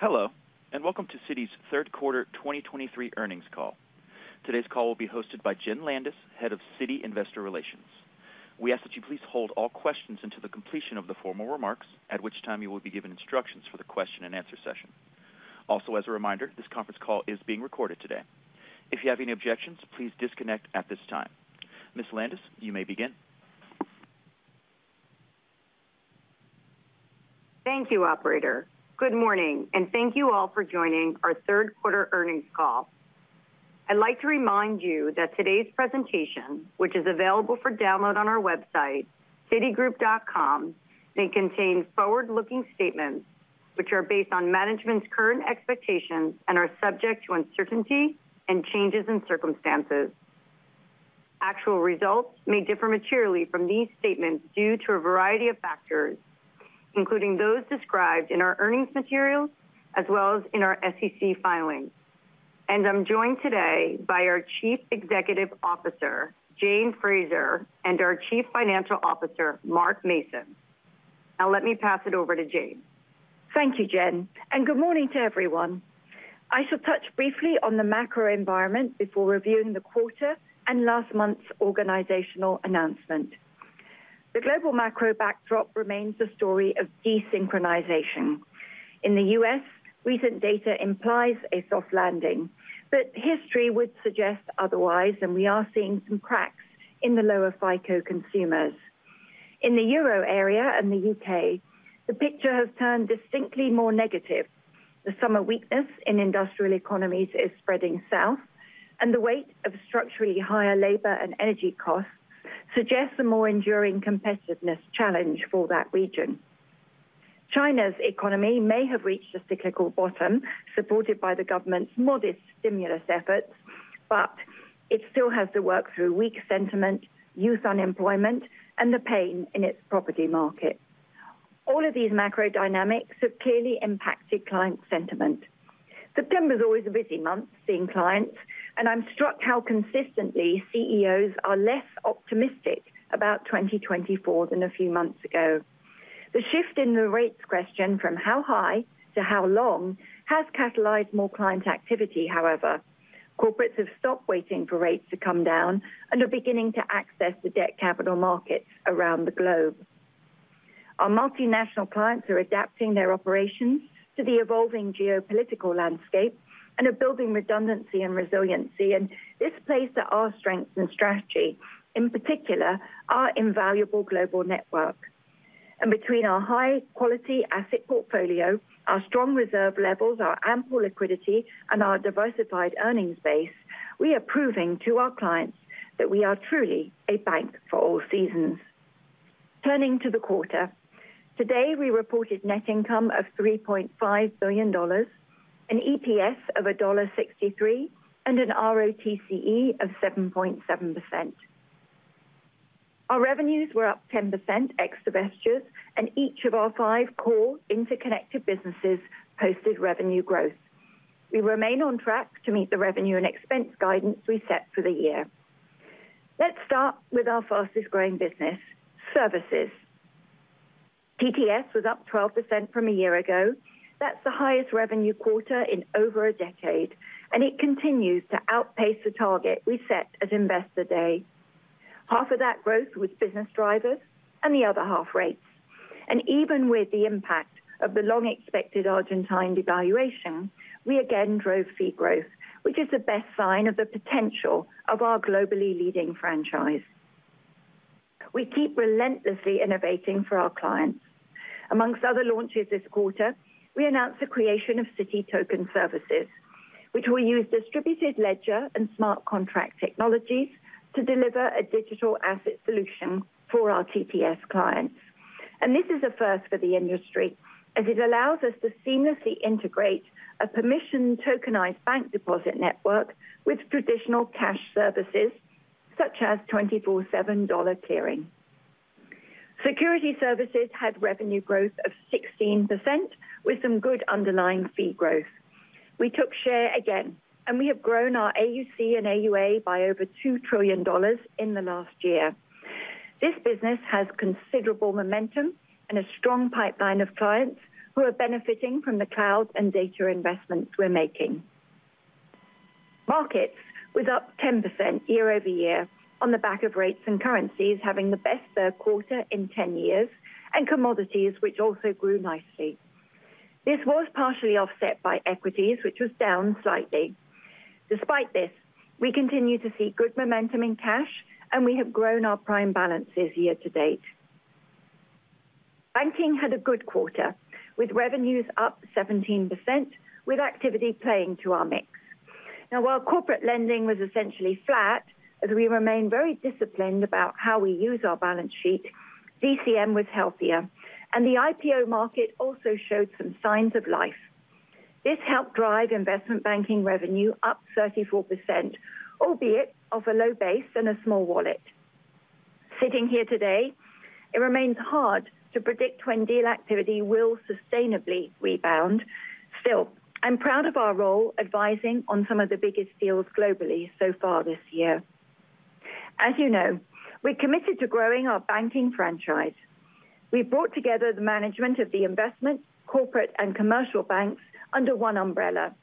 Hello, and welcome to Citi's Third Quarter 2023 Earnings Call. Today's call will be hosted by Jenn Landis, Head of Citi Investor Relations. We ask that you please hold all questions until the completion of the formal remarks, at which time you will be given instructions for the question-and-answer session. Also, as a reminder, this conference call is being recorded today. If you have any objections, please disconnect at this time. Ms. Landis, you may begin. Thank you, operator. Good morning, and thank you all for joining our third quarter earnings call. I'd like to remind you that today's presentation, which is available for download on our website, citigroup.com, may contain forward-looking statements, which are based on management's current expectations and are subject to uncertainty and changes in circumstances. Actual results may differ materially from these statements due to a variety of factors, including those described in our earnings materials as well as in our SEC filings. I'm joined today by our Chief Executive Officer, Jane Fraser, and our Chief Financial Officer, Mark Mason. Now, let me pass it over to Jane. Thank you, Jen, and good morning to everyone. I shall touch briefly on the macro environment before reviewing the quarter and last month's organizational announcement. The global macro backdrop remains a story of desynchronization. In the U.S., recent data implies a soft landing, but history would suggest otherwise, and we are seeing some cracks in the lower FICO consumers. In the Euro area and the U.K., the picture has turned distinctly more negative. The summer weakness in industrial economies is spreading south, and the weight of structurally higher labor and energy costs suggests a more enduring competitiveness challenge for that region. China's economy may have reached a cyclical bottom, supported by the government's modest stimulus efforts, but it still has to work through weak sentiment, youth unemployment, and the pain in its property market. All of these macro dynamics have clearly impacted client sentiment. September is always a busy month seeing clients, and I'm struck how consistently CEOs are less optimistic about 2024 than a few months ago. The shift in the rates question from how high to how long has catalyzed more client activity, however. Corporates have stopped waiting for rates to come down and are beginning to access the debt capital markets around the globe. Our multinational clients are adapting their operations to the evolving geopolitical landscape and are building redundancy and resiliency, and this plays to our strengths and strategy, in particular, our invaluable global network. Between our high-quality asset portfolio, our strong reserve levels, our ample liquidity, and our diversified earnings base, we are proving to our clients that we are truly a bank for all seasons. Turning to the quarter, today, we reported net income of $3.5 billion, an EPS of $1.63, and an ROTCE of 7.7%. Our revenues were up 10% ex-divestitures, and each of our five core interconnected businesses posted revenue growth. We remain on track to meet the revenue and expense guidance we set for the year. Let's start with our fastest-growing business, Services. TTS was up 12% from a year ago. That's the highest revenue quarter in over a decade, and it continues to outpace the target we set at Investor Day. Half of that growth was business drivers and the other half rates. And even with the impact of the long-expected Argentine devaluation, we again drove fee growth, which is the best sign of the potential of our globally leading franchise. We keep relentlessly innovating for our clients. Among other launches this quarter, we announced the creation of Citi Token Services, which will use distributed ledger and smart contract technologies to deliver a digital asset solution for our TTS clients. And this is a first for the industry, as it allows us to seamlessly integrate a permission tokenized bank deposit network with traditional cash services, such as 24/7 dollar Securities Services had revenue growth of 16% with some good underlying fee growth. We took share again, and we have grown our AUC and AUA by over $2 trillion in the last year. This business has considerable momentum and a strong pipeline of clients who are benefiting from the cloud and data investments we're making. Markets was up 10% year-over-year on the back of rates and currencies, having the best third quarter in 10 years, and commodities, which also grew nicely. This was partially offset by equities, which was down slightly. Despite this, we continue to see good momentum in cash, and we have grown our prime balances year to date. Banking had a good quarter, with revenues up 17%, with activity playing to our mix. Now, while corporate lending was essentially flat, as we remain very disciplined about how we use our balance sheet, DCM was healthier, and the IPO market also showed some signs of life. This helped drive Investment Banking revenue up 34%, albeit off a low base and a small wallet. Sitting here today, it remains hard to predict when deal activity will sustainably rebound. Still, I'm proud of our role advising on some of the biggest deals globally so far this year. As you know, we're committed to growing our banking franchise. We've brought together the management of the Investment, Corporate, and Commercial Banks under one umbrella,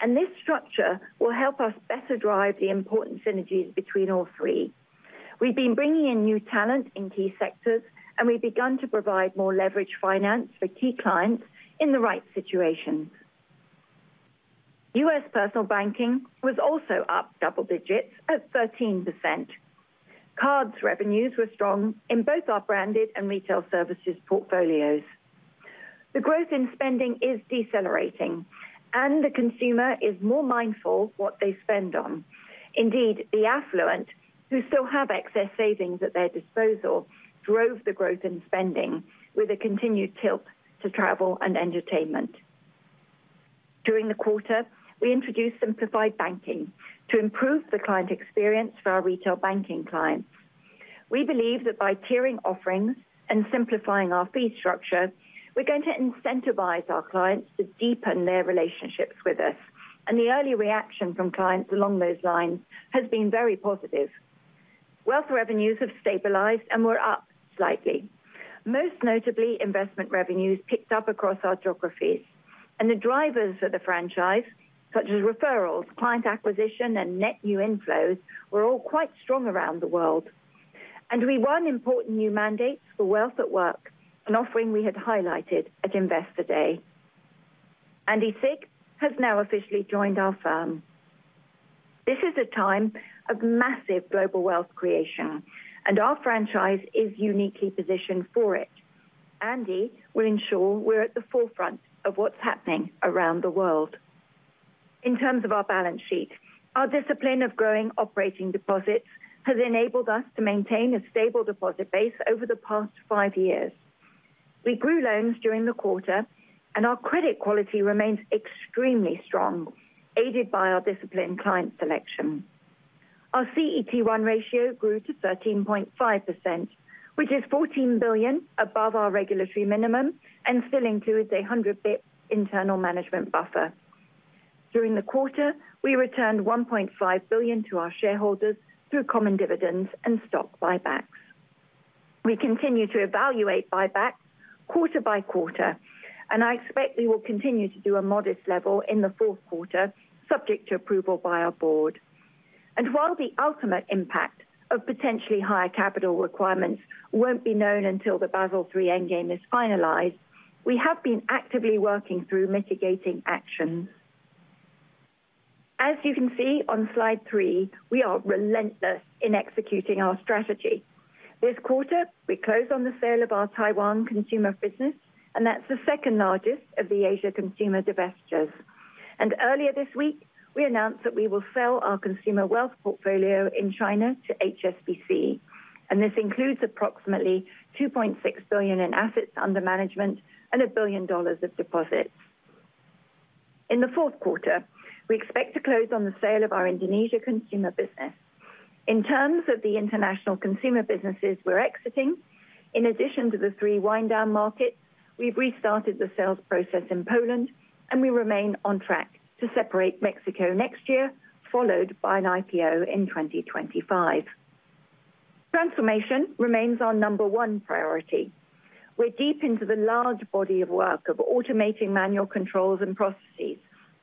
and this structure will help us better drive the important synergies between all three. We've been bringing in new talent in key sectors, and we've begun to provide more leveraged finance for key clients in the right situations. U.S. Personal Banking was also up double digits at 13%. Cards revenues were strong in both our branded and Retail Services portfolios. The growth in spending is decelerating, and the consumer is more mindful what they spend on. Indeed, the affluent, who still have excess savings at their disposal, drove the growth in spending with a continued tilt to travel and entertainment. During the quarter, we introduced simplified banking to improve the client experience for our retail banking clients. We believe that by tiering offerings and simplifying our fee structure, we're going to incentivize our clients to deepen their relationships with us, and the early reaction from clients along those lines has been very positive. Wealth revenues have stabilized and were up slightly. Most notably, investment revenues picked up across our geographies, and the drivers of the franchise, such as referrals, client acquisition, and net new inflows, were all quite strong around the world. And we won important new mandates for Wealth at Work, an offering we had highlighted at Investor Day. Andy Sieg has now officially joined our firm. This is a time of massive Global Wealth creation, and our franchise is uniquely positioned for it. Andy will ensure we're at the forefront of what's happening around the world. In terms of our balance sheet, our discipline of growing operating deposits has enabled us to maintain a stable deposit base over the past five years. We grew loans during the quarter, and our credit quality remains extremely strong, aided by our disciplined client selection. Our CET1 ratio grew to 13.5%, which is $14 billion above our regulatory minimum and still includes a 100 basis point internal management buffer. During the quarter, we returned $1.5 billion to our shareholders through common dividends and stock buybacks. We continue to evaluate buybacks quarter by quarter, and I expect we will continue to do a modest level in the fourth quarter, subject to approval by our board. While the ultimate impact of potentially higher capital requirements won't be known until the Basel III endgame is finalized, we have been actively working through mitigating actions. As you can see on slide 3, we are relentless in executing our strategy. This quarter, we closed on the sale of our Taiwan consumer business, and that's the second largest of the Asia consumer divestitures. Earlier this week, we announced that we will sell our consumer wealth portfolio in China to HSBC, and this includes approximately $2.6 billion in assets under management and $1 billion of deposits. In the fourth quarter, we expect to close on the sale of our Indonesia consumer business. In terms of the international consumer businesses we're exiting, in addition to the three wind down markets, we've restarted the sales process in Poland, and we remain on track to separate Mexico next year, followed by an IPO in 2025. Transformation remains our number one priority. We're deep into the large body of work of automating manual controls and processes,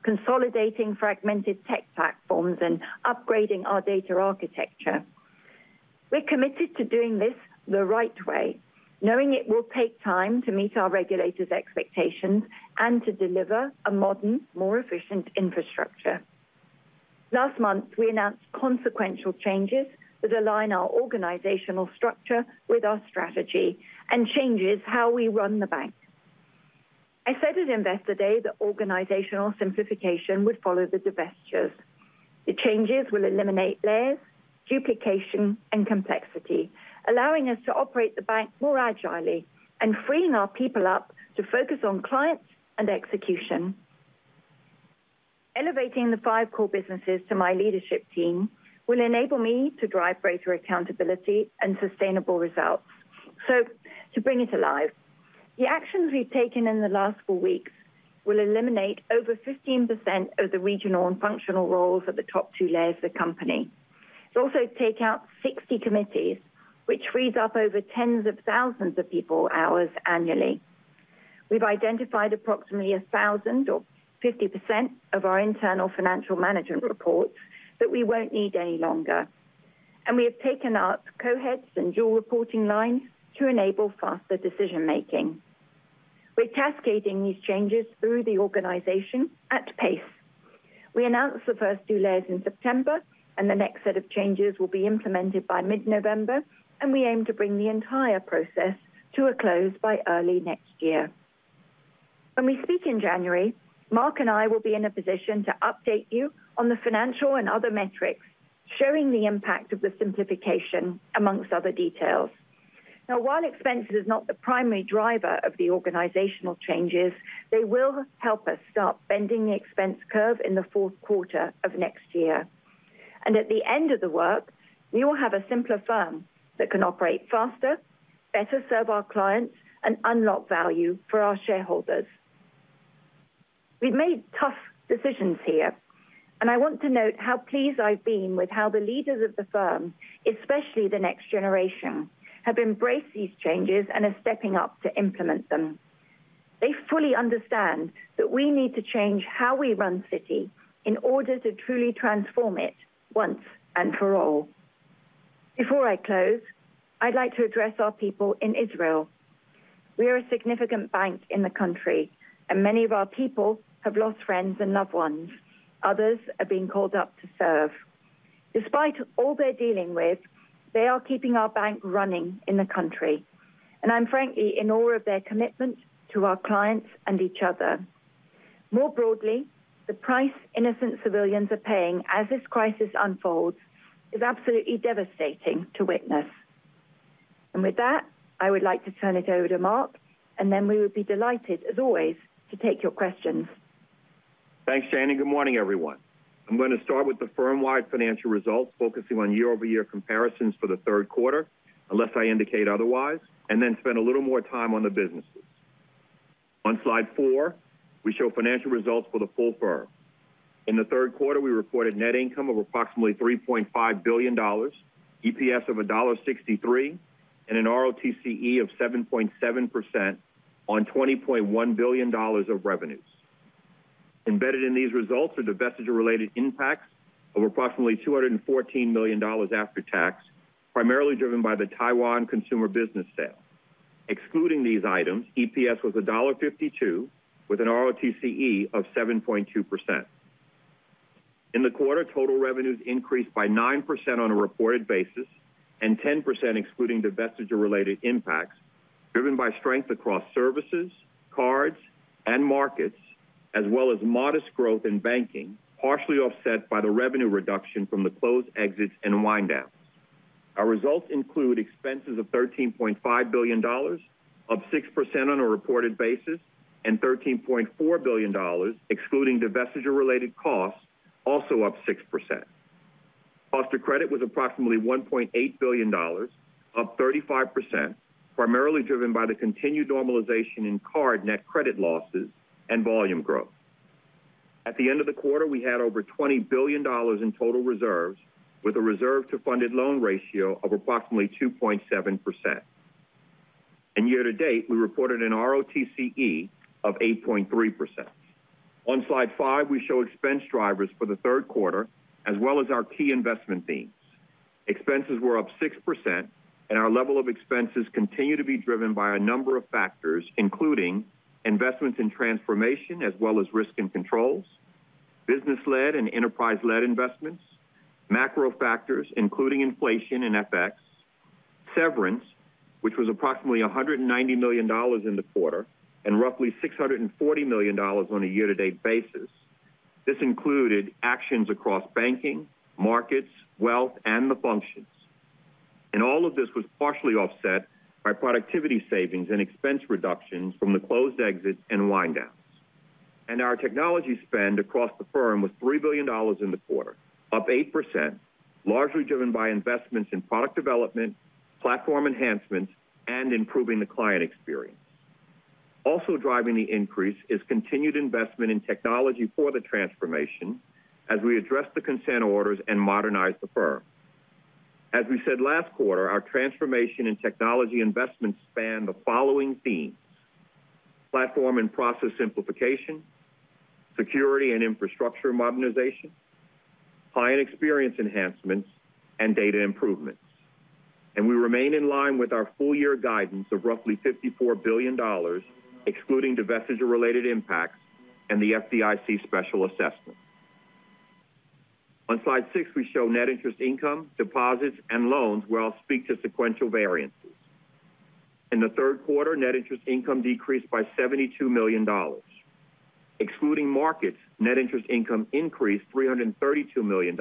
consolidating fragmented tech platforms, and upgrading our data architecture. We're committed to doing this the right way, knowing it will take time to meet our regulators' expectations and to deliver a modern, more efficient infrastructure. Last month, we announced consequential changes that align our organizational structure with our strategy and changes how we run the bank. I said at Investor Day that organizational simplification would follow the divestitures. The changes will eliminate layers, duplication, and complexity, allowing us to operate the bank more agilely and freeing our people up to focus on clients and execution. Elevating the five core businesses to my leadership team will enable me to drive greater accountability and sustainable results. So to bring it alive, the actions we've taken in the last four weeks will eliminate over 15% of the regional and functional roles at the top two layers of the company. It'll also take out 60 committees, which frees up over tens of thousands of people hours annually. We've identified approximately 1,000, or 50%, of our internal financial management reports that we won't need any longer, and we have taken out co-heads and dual reporting lines to enable faster decision-making. We're cascading these changes through the organization at pace. We announced the first two layers in September, and the next set of changes will be implemented by mid-November, and we aim to bring the entire process to a close by early next year. When we speak in January, Mark and I will be in a position to update you on the financial and other metrics, showing the impact of the simplification, among other details. Now, while expense is not the primary driver of the organizational changes, they will help us start bending the expense curve in the fourth quarter of next year. At the end of the work, we will have a simpler firm that can operate faster, better serve our clients, and unlock value for our shareholders. We've made tough decisions here, and I want to note how pleased I've been with how the leaders of the firm, especially the next generation, have embraced these changes and are stepping up to implement them. They fully understand that we need to change how we run Citi in order to truly transform it once and for all. Before I close, I'd like to address our people in Israel. We are a significant bank in the country, and many of our people have lost friends and loved ones. Others are being called up to serve. Despite all they're dealing with, they are keeping our bank running in the country, and I'm frankly in awe of their commitment to our clients and each other. More broadly, the price innocent civilians are paying as this crisis unfolds is absolutely devastating to witness. And with that, I would like to turn it over to Mark, and then we would be delighted, as always, to take your questions. Thanks, Jane. Good morning, everyone. I'm going to start with the firm-wide financial results, focusing on year-over-year comparisons for the third quarter, unless I indicate otherwise, and then spend a little more time on the businesses. On slide 4, we show financial results for the full firm. In the third quarter, we reported net income of approximately $3.5 billion, EPS of $1.63, and an ROTCE of 7.7% on $20.1 billion of revenues. Embedded in these results are divestiture-related impacts of approximately $214 million after tax, primarily driven by the Taiwan consumer business sale. Excluding these items, EPS was $1.52, with an ROTCE of 7.2%. In the quarter, total revenues increased by 9% on a reported basis and 10% excluding divestiture-related impacts, driven by strength across Services, Cards, and Markets, as well as modest growth in Banking, partially offset by the revenue reduction from the closed exits and wind downs. Our results include expenses of $13.5 billion, up 6% on a reported basis, and $13.4 billion, excluding divestiture-related costs, also up 6%. Cost of credit was approximately $1.8 billion, up 35%, primarily driven by the continued normalization in card net credit losses and volume growth. At the end of the quarter, we had over $20 billion in total reserves, with a reserve to funded loan ratio of approximately 2.7%. Year to date, we reported an ROTCE of 8.3%. On slide 5, we show expense drivers for the third quarter, as well as our key investment themes. Expenses were up 6%, and our level of expenses continue to be driven by a number of factors, including investments in transformation as well as risk and controls, business-led and enterprise-led investments, macro factors, including inflation and FX, severance, which was approximately $190 million in the quarter, and roughly $640 million on a year-to-date basis. This included actions across banking, markets, wealth, and the functions. All of this was partially offset by productivity savings and expense reductions from the closed exits and wind downs. Our technology spend across the firm was $3 billion in the quarter, up 8%, largely driven by investments in product development, platform enhancements, and improving the client experience. Also driving the increase is continued investment in technology for the transformation as we address the consent orders and modernize the firm. As we said last quarter, our transformation and technology investments span the following themes: platform and process simplification, security and infrastructure modernization, client experience enhancements, and data improvements. And we remain in line with our full-year guidance of roughly $54 billion, excluding divestiture-related impacts and the FDIC special assessment. On slide 6, we show net interest income, deposits, and loans, where I'll speak to sequential variances. In the third quarter, net interest income decreased by $72 million. Excluding markets, net interest income increased $332 million,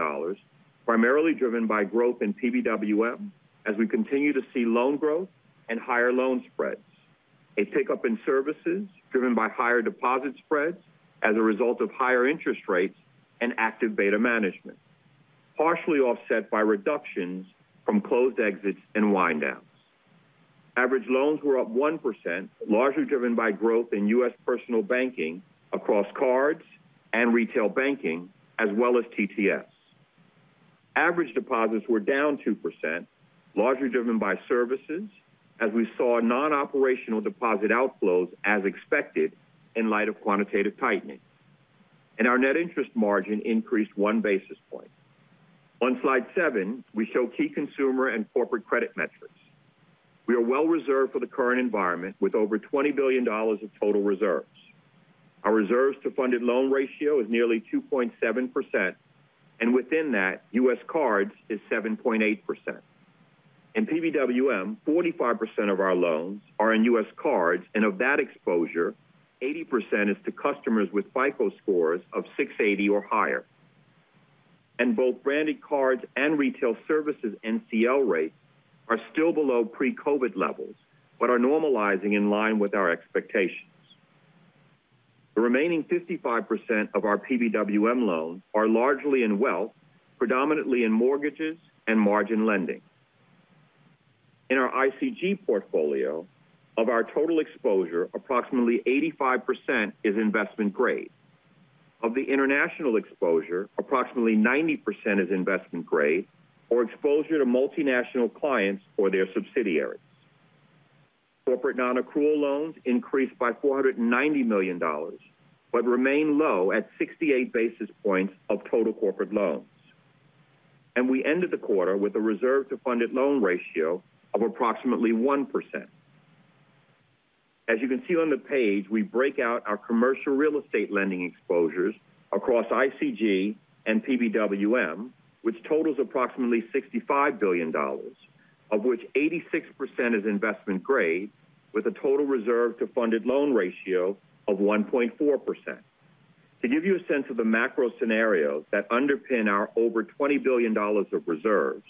primarily driven by growth in PBWM, as we continue to see loan growth and higher loan spreads. A take-up in Services, driven by higher deposit spreads as a result of higher interest rates and active beta management, partially offset by reductions from closed exits and wind downs. Average loans were up 1%, largely driven by growth in U.S. Personal Banking across cards and retail banking, as well as TTS. Average deposits were down 2%, largely driven by Services, as we saw non-operational deposit outflows as expected in light of quantitative tightening, and our net interest margin increased 1 basis point. On slide 7, we show key consumer and corporate credit metrics. We are well reserved for the current environment with over $20 billion of total reserves. Our reserves to funded loan ratio is nearly 2.7%, and within that, U.S. cards is 7.8%. In PBWM, 45% of our loans are in U.S. cards, and of that exposure, 80% is to customers with FICO scores of 680 or higher. Both branded cards and Retail Services NCL rates are still below pre-COVID levels, but are normalizing in line with our expectations. The remaining 55% of our PBWM loans are largely in wealth, predominantly in mortgages and margin lending. In our ICG portfolio, of our total exposure, approximately 85% is investment grade. Of the international exposure, approximately 90% is investment grade or exposure to multinational clients or their subsidiaries. Corporate nonaccrual loans increased by $490 million, but remain low at 68 basis points of total corporate loans. We ended the quarter with a reserve to funded loan ratio of approximately 1%. As you can see on the page, we break out our commercial real estate lending exposures across ICG and PBWM, which totals approximately $65 billion, of which 86% is investment grade, with a total reserve to funded loan ratio of 1.4%. To give you a sense of the macro scenarios that underpin our over $20 billion of reserves,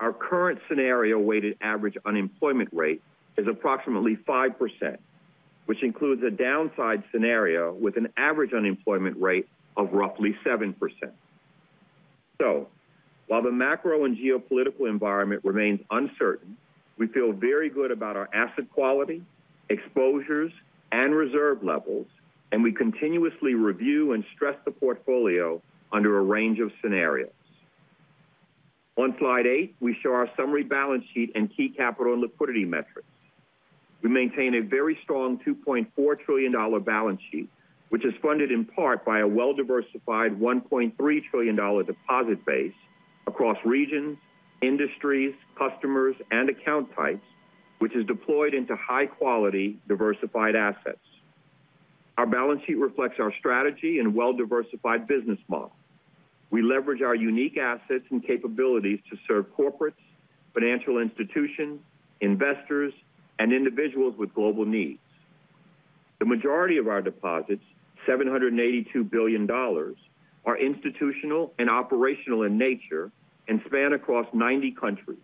our current scenario weighted average unemployment rate is approximately 5%, which includes a downside scenario with an average unemployment rate of roughly 7%. So while the macro and geopolitical environment remains uncertain, we feel very good about our asset quality, exposures, and reserve levels, and we continuously review and stress the portfolio under a range of scenarios. On slide 8, we show our summary balance sheet and key capital and liquidity metrics. We maintain a very strong $2.4 trillion balance sheet, which is funded in part by a well-diversified $1.3 trillion deposit base across regions, industries, customers, and account types, which is deployed into high-quality, diversified assets. Our balance sheet reflects our strategy and well-diversified business model. We leverage our unique assets and capabilities to serve corporates, financial institutions, investors, and individuals with global needs. The majority of our deposits, $782 billion, are institutional and operational in nature and span across 90 countries.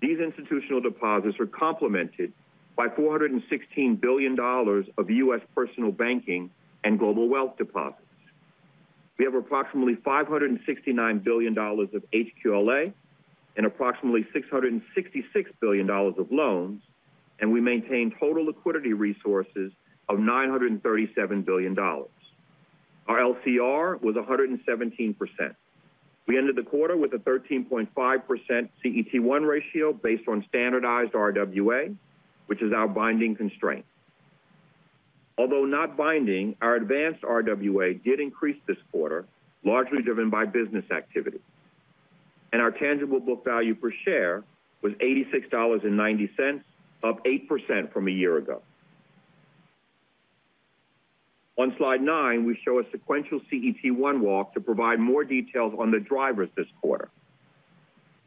These institutional deposits are complemented by $416 billion of U.S. Personal Banking and Global Wealth deposits. We have approximately $569 billion of HQLA and approximately $666 billion of loans, and we maintain total liquidity resources of $937 billion. Our LCR was 117%. We ended the quarter with a 13.5% CET1 ratio based on standardized RWA, which is our binding constraint. Although not binding, our advanced RWA did increase this quarter, largely driven by business activity, and our tangible book value per share was $86.90, up 8% from a year ago. On slide 9, we show a sequential CET1 walk to provide more details on the drivers this quarter.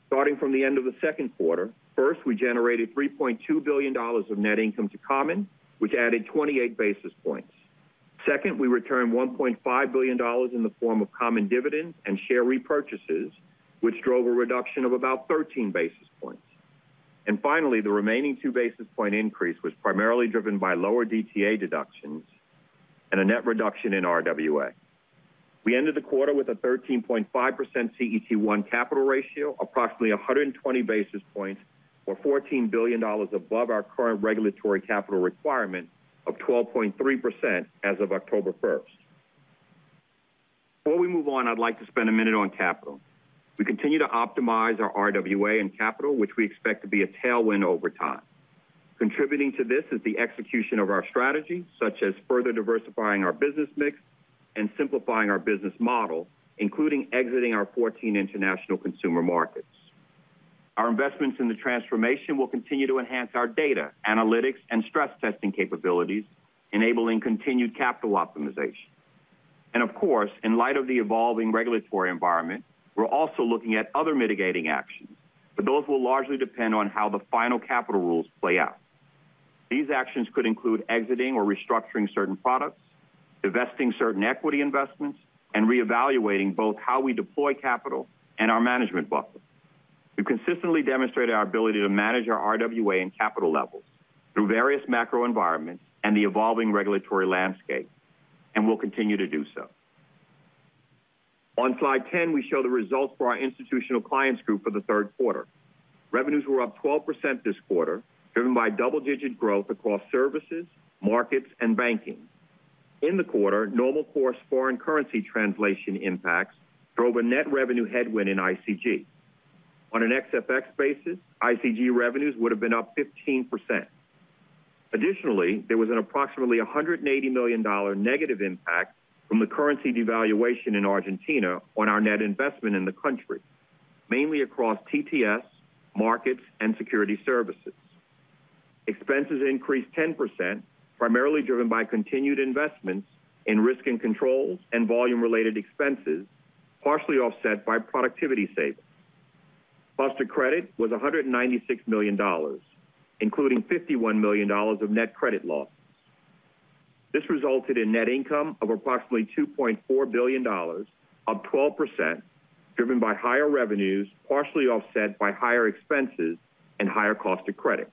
Starting from the end of the second quarter, first, we generated $3.2 billion of net income to common, which added 28 basis points. Second, we returned $1.5 billion in the form of common dividends and share repurchases, which drove a reduction of about 13 basis points. Finally, the remaining 2 basis point increase was primarily driven by lower DTA deductions and a net reduction in RWA. We ended the quarter with a 13.5% CET1 capital ratio, approximately 120 basis points, or $14 billion above our current regulatory capital requirement of 12.3% as of October 1st. Before we move on, I'd like to spend a minute on capital. We continue to optimize our RWA and capital, which we expect to be a tailwind over time. Contributing to this is the execution of our strategy, such as further diversifying our business mix and simplifying our business model, including exiting our 14 international consumer markets. Our investments in the transformation will continue to enhance our data, analytics and stress testing capabilities, enabling continued capital optimization. Of course, in light of the evolving regulatory environment, we're also looking at other mitigating actions, but those will largely depend on how the final capital rules play out. These actions could include exiting or restructuring certain products, divesting certain equity investments, and reevaluating both how we deploy capital and our management buffer. We've consistently demonstrated our ability to manage our RWA and capital levels through various macro environments and the evolving regulatory landscape, and we'll continue to do so. On slide 10, we show the results for our Institutional Clients Group for the third quarter. Revenues were up 12% this quarter, driven by double-digit growth across Services, Markets, and Banking. In the quarter, normal course foreign currency translation impacts drove a net revenue headwind in ICG. On an XFX basis, ICG revenues would have been up 15%. Additionally, there was an approximately $180 million negative impact from the currency devaluation in Argentina on our net investment in the country, mainly across TTS, markets, Securities Services. expenses increased 10%, primarily driven by continued investments in risk and controls and volume-related expenses, partially offset by productivity savings. Cost of credit was $196 million, including $51 million of net credit losses. This resulted in net income of approximately $2.4 billion, up 12%, driven by higher revenues, partially offset by higher expenses and higher cost of credit.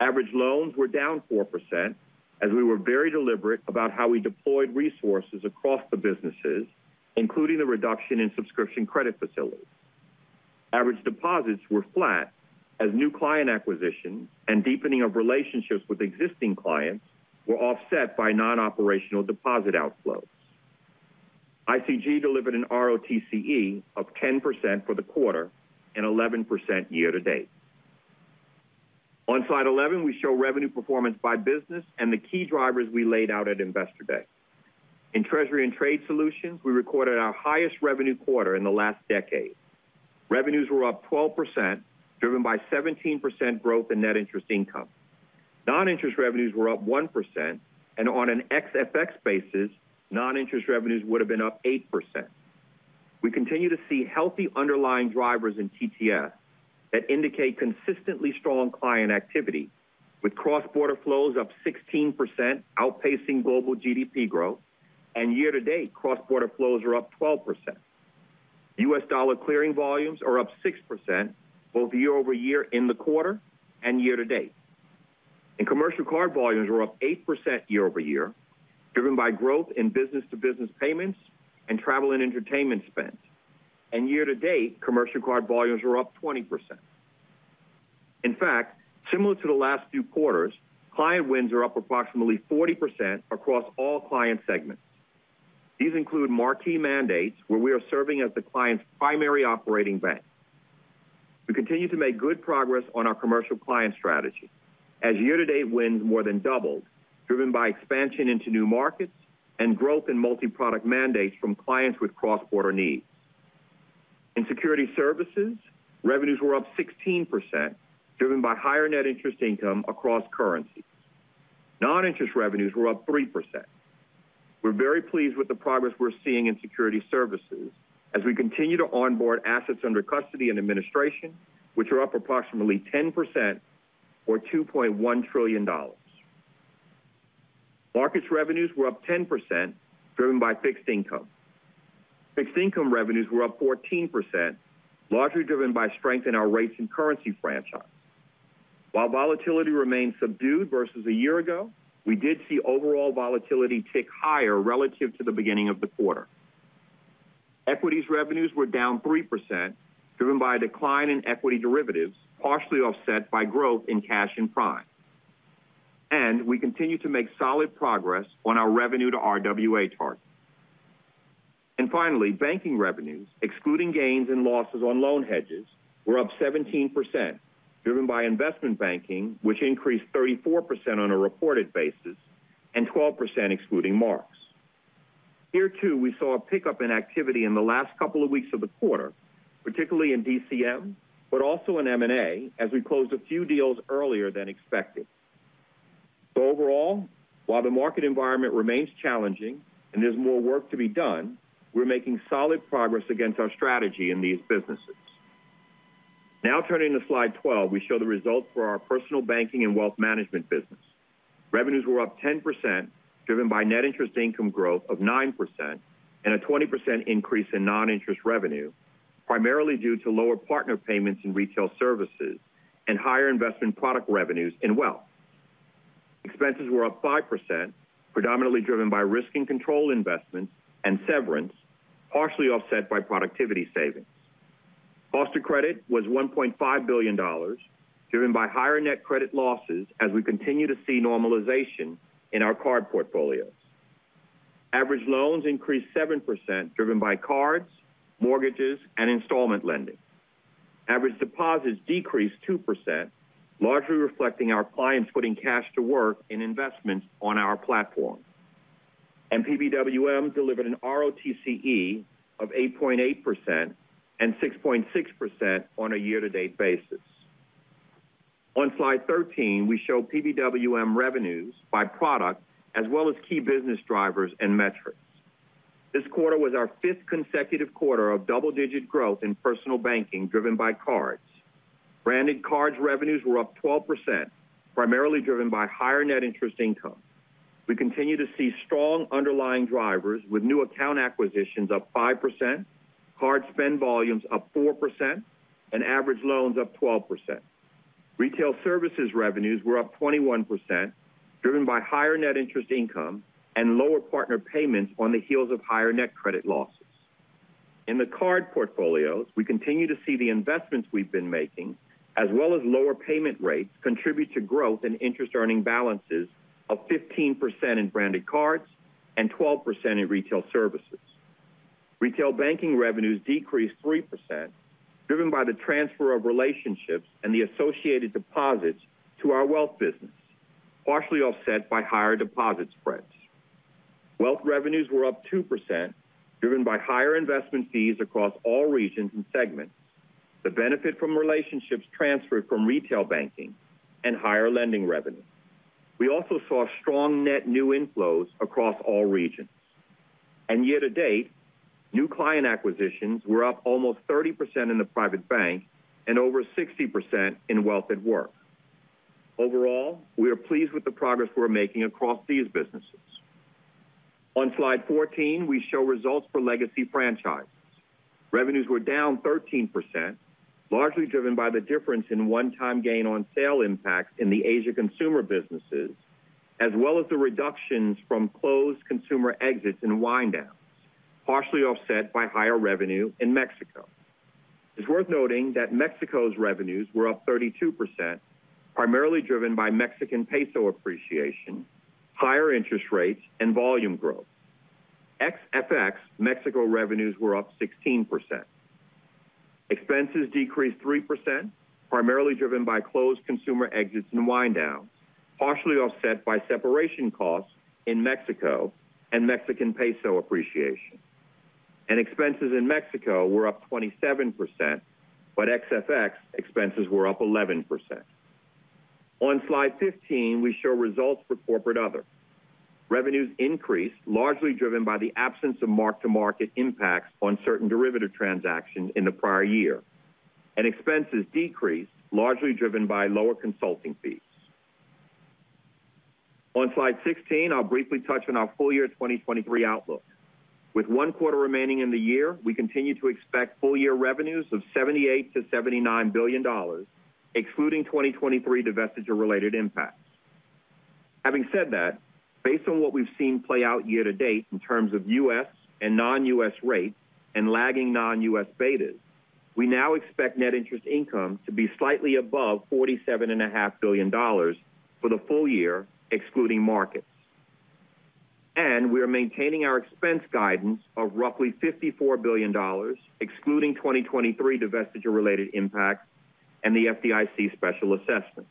Average loans were down 4%, as we were very deliberate about how we deployed resources across the businesses, including the reduction in subscription credit facilities. Average deposits were flat, as new client acquisition and deepening of relationships with existing clients were offset by non-operational deposit outflows. ICG delivered an ROTCE of 10% for the quarter and 11% year-to-date. On slide 11, we show revenue performance by business and the key drivers we laid out at Investor Day. In Treasury and Trade Solutions, we recorded our highest revenue quarter in the last decade. Revenues were up 12%, driven by 17% growth in net interest income. Non-interest revenues were up 1%, and on an FX basis, non-interest revenues would have been up 8%. We continue to see healthy underlying drivers in TTS that indicate consistently strong client activity, with cross-border flows up 16%, outpacing global GDP growth, and year-to-date cross-border flows are up 12%. U.S. dollar clearing volumes are up 6%, both year-over-year in the quarter and year-to-date. Commercial card volumes are up 8% year-over-year, driven by growth in business-to-business payments and travel and entertainment spends. Year-to-date, commercial card volumes are up 20%. In fact, similar to the last few quarters, client wins are up approximately 40% across all client segments. These include marquee mandates, where we are serving as the client's primary operating bank. We continue to make good progress on our commercial client strategy, as year-to-date wins more than doubled, driven by expansion into new markets and growth in multi-product mandates from clients with cross-border needs. Securities Services, revenues were up 16%, driven by higher net interest income across currencies. Non-interest revenues were up 3%. We're very pleased with the progress we're seeing Securities Services as we continue to onboard assets under custody and administration, which are up approximately 10%, or $2.1 trillion. Markets revenues were up 10%, driven by fixed income. Fixed income revenues were up 14%, largely driven by strength in our rates and currency franchise. While volatility remains subdued versus a year ago, we did see overall volatility tick higher relative to the beginning of the quarter. Equities revenues were down 3%, driven by a decline in equity derivatives, partially offset by growth in cash and prime. We continue to make solid progress on our revenue to RWA target. Finally, banking revenues, excluding gains and losses on loan hedges, were up 17%, driven by Investment Banking, which increased 34% on a reported basis and 12% excluding marks. Here, too, we saw a pickup in activity in the last couple of weeks of the quarter, particularly in DCM, but also in M&A, as we closed a few deals earlier than expected. So overall, while the market environment remains challenging and there's more work to be done, we're making solid progress against our strategy in these businesses. Now turning to slide 12, we show the results for our Personal Banking and Wealth Management business. Revenues were up 10%, driven by net interest income growth of 9% and a 20% increase in non-interest revenue, primarily due to lower partner payments in Retail Services and higher investment product revenues in Wealth. Expenses were up 5%, predominantly driven by risk and control investments and severance, partially offset by productivity savings. Cost of credit was $1.5 billion, driven by higher net credit losses as we continue to see normalization in our card portfolios. Average loans increased 7%, driven by cards, mortgages, and installment lending. Average deposits decreased 2%, largely reflecting our clients putting cash to work in investments on our platform. PBWM delivered an ROTCE of 8.8% and 6.6% on a year-to-date basis. On slide 13, we show PBWM revenues by product, as well as key business drivers and metrics. This quarter was our fifth consecutive quarter of double-digit growth in personal banking, driven by cards. Branded cards revenues were up 12%, primarily driven by higher net interest income. We continue to see strong underlying drivers with new account acquisitions up 5%, card spend volumes up 4%, and average loans up 12%. Retail Services revenues were up 21%, driven by higher net interest income and lower partner payments on the heels of higher net credit losses. In the card portfolios, we continue to see the investments we've been making, as well as lower payment rates, contribute to growth in interest earning balances of 15% in branded cards and 12% in Retail Services. Retail banking revenues decreased 3%, driven by the transfer of relationships and the associated deposits to our Wealth business, partially offset by higher deposit spreads. Wealth revenues were up 2%, driven by higher investment fees across all regions and segments, the benefit from relationships transferred from retail banking and higher lending revenue. We also saw strong net new inflows across all regions. Year to date, new client acquisitions were up almost 30% in the private bank and over 60% in Wealth at Work. Overall, we are pleased with the progress we're making across these businesses. On slide 14, we show results for Legacy Franchises. Revenues were down 13%, largely driven by the difference in one-time gain on sale impacts in the Asia consumer businesses, as well as the reductions from closed consumer exits and wind downs, partially offset by higher revenue in Mexico. It's worth noting that Mexico's revenues were up 32%, primarily driven by Mexican peso appreciation, higher interest rates, and volume growth. Ex-FX, Mexico revenues were up 16%. Expenses decreased 3%, primarily driven by closed consumer exits and wind downs, partially offset by separation costs in Mexico and Mexican peso appreciation. Expenses in Mexico were up 27%, but ex-FX, expenses were up 11%. On slide 15, we show results for Corporate/Other. Revenues increased, largely driven by the absence of mark-to-market impacts on certain derivative transactions in the prior year, and expenses decreased, largely driven by lower consulting fees. On slide 16, I'll briefly touch on our full-year 2023 outlook. With one quarter remaining in the year, we continue to expect full year revenues of $78 billion-$79 billion, excluding 2023 divestiture related impacts. Having said that, based on what we've seen play out year to date in terms of U.S. and non-U.S. rates and lagging non-U.S. betas, we now expect net interest income to be slightly above $47.5 billion for the full year, excluding markets. We are maintaining our expense guidance of roughly $54 billion, excluding 2023 divestiture related impacts and the FDIC special assessment.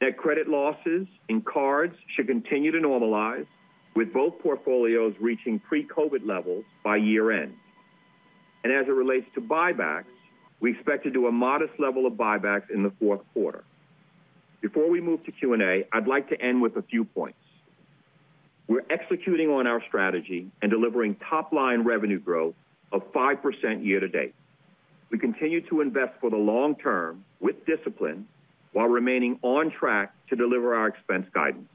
Net credit losses in cards should continue to normalize, with both portfolios reaching pre-COVID levels by year end. As it relates to buybacks, we expect to do a modest level of buybacks in the fourth quarter. Before we move to Q&A, I'd like to end with a few points. We're executing on our strategy and delivering top line revenue growth of 5% year to date. We continue to invest for the long term with discipline while remaining on track to deliver our expense guidance.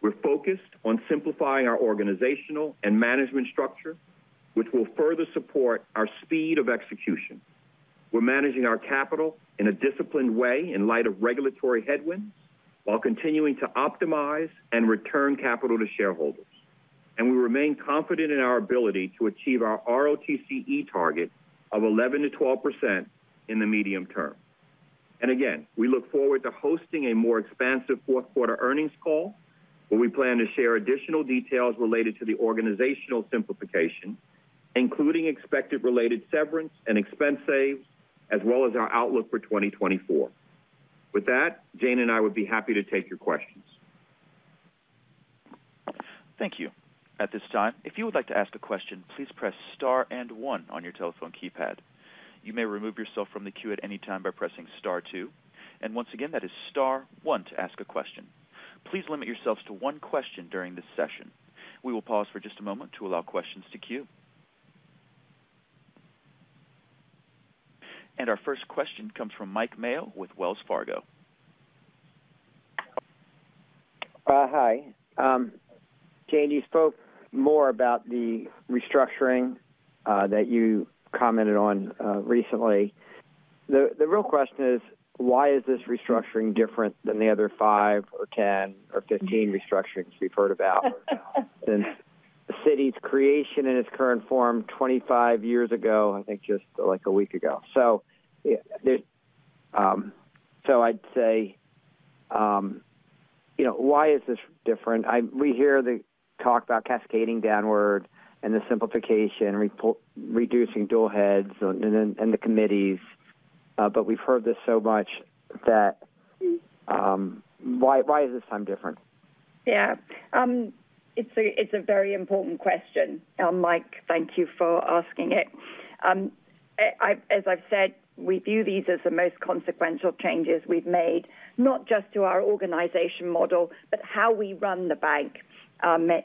We're focused on simplifying our organizational and management structure, which will further support our speed of execution. We're managing our capital in a disciplined way in light of regulatory headwinds, while continuing to optimize and return capital to shareholders. We remain confident in our ability to achieve our ROTCE target of 11%-12% in the medium term. Again, we look forward to hosting a more expansive fourth quarter earnings call, where we plan to share additional details related to the organizational simplification, including expected related severance and expense saves, as well as our outlook for 2024. With that, Jane and I would be happy to take your questions. Thank you. At this time, if you would like to ask a question, please press star and one on your telephone keypad. You may remove yourself from the queue at any time by pressing star two. Once again, that is star one to ask a question. Please limit yourselves to one question during this session. We will pause for just a moment to allow questions to queue. Our first question comes from Mike Mayo with Wells Fargo. Hi. Jane, you spoke more about the restructuring that you commented on recently. The real question is, why is this restructuring different than the other five or 10 or 15 restructurings we've heard about since Citi's creation in its current form 25 years ago, I think just, like, a week ago? So, yeah, so I'd say, you know, why is this different? We hear the talk about cascading downward and the simplification, reducing dual heads and then, and the committees, but we've heard this so much that, why, why is this time different? Yeah. It's a, it's a very important question, Mike, thank you for asking it. I, as I've said, we view these as the most consequential changes we've made, not just to our organization model, but how we run the bank,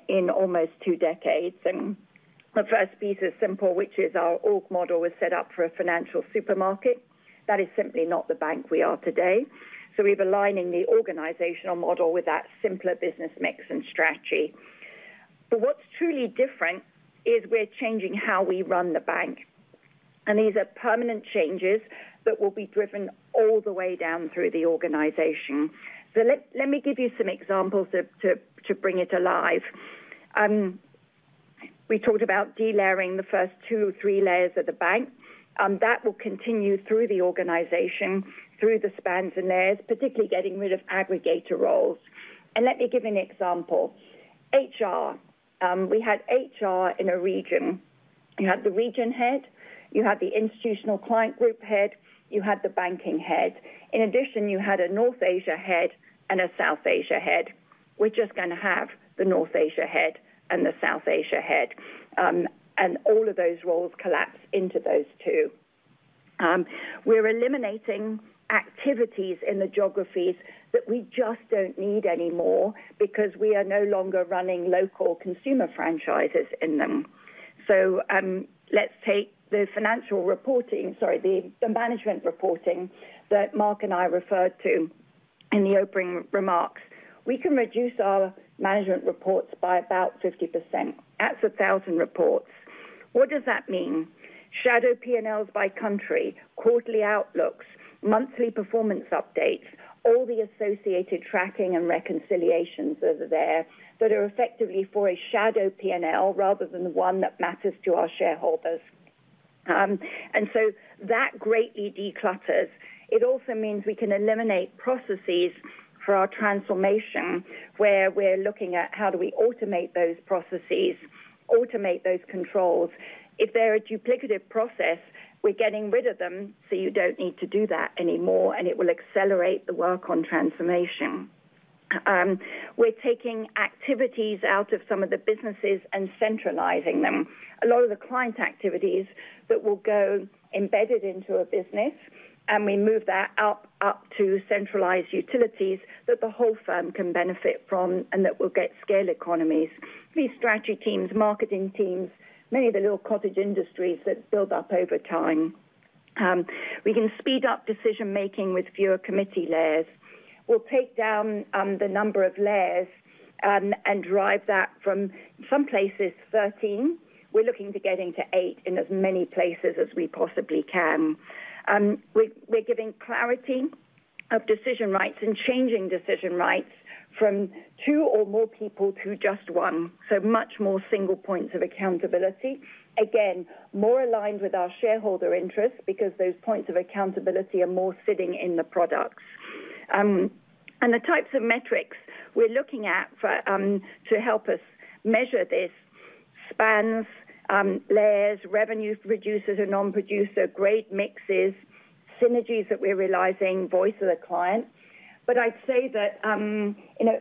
in almost two decades. The first piece is simple, which is our org model was set up for a financial supermarket. That is simply not the bank we are today. So we're aligning the organizational model with that simpler business mix and strategy. But what's truly different is we're changing how we run the bank, and these are permanent changes that will be driven all the way down through the organization. Let me give you some examples to bring it alive. We talked about delayering the first two or three layers of the bank. That will continue through the organization, through the spans and layers, particularly getting rid of aggregator roles. Let me give you an example. HR, we had HR in a region. You had the region head, you had the institutional client group head, you had the banking head. In addition, you had a North Asia head and a South Asia head. We're just going to have the North Asia head and the South Asia head, and all of those roles collapse into those two. We're eliminating activities in the geographies that we just don't need anymore because we are no longer running local consumer franchises in them. Let's take the financial reporting, sorry, the management reporting that Mark and I referred to in the opening remarks. We can reduce our management reports by about 50%. That's 1,000 reports. What does that mean? Shadow P&Ls by country, quarterly outlooks, monthly performance updates, all the associated tracking and reconciliations that are there, that are effectively for a shadow P&L rather than the one that matters to our shareholders. And so that greatly declutters. It also means we can eliminate processes for our transformation, where we're looking at how do we automate those processes, automate those controls. If they're a duplicative process, we're getting rid of them, so you don't need to do that anymore, and it will accelerate the work on transformation. We're taking activities out of some of the businesses and centralizing them. A lot of the client activities that will go embedded into a business, and we move that up, up to centralized utilities that the whole firm can benefit from and that will get scale economies. These strategy teams, marketing teams, many of the little cottage industries that build up over time. We can speed up decision making with fewer committee layers. We'll take down the number of layers and drive that from some places 13. We're looking to getting to eight in as many places as we possibly can. We're giving clarity of decision rights and changing decision rights from two or more people to just one, so much more single points of accountability. Again, more aligned with our shareholder interests because those points of accountability are more sitting in the products. And the types of metrics we're looking at for to help us measure this spans layers, revenue producers or non-producer, great mixes, synergies that we're realizing, voice of the client. But I'd say that, you know,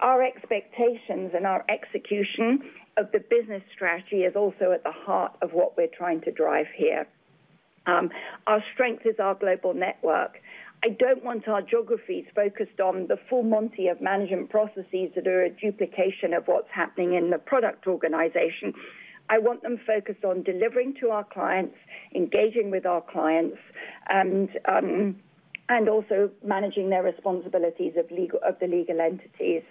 our expectations and our execution of the business strategy is also at the heart of what we're trying to drive here. Our strength is our global network. I don't want our geographies focused on the full Monty of management processes that are a duplication of what's happening in the product organization. I want them focused on delivering to our clients, engaging with our clients, and also managing their responsibilities of legal of the legal entities.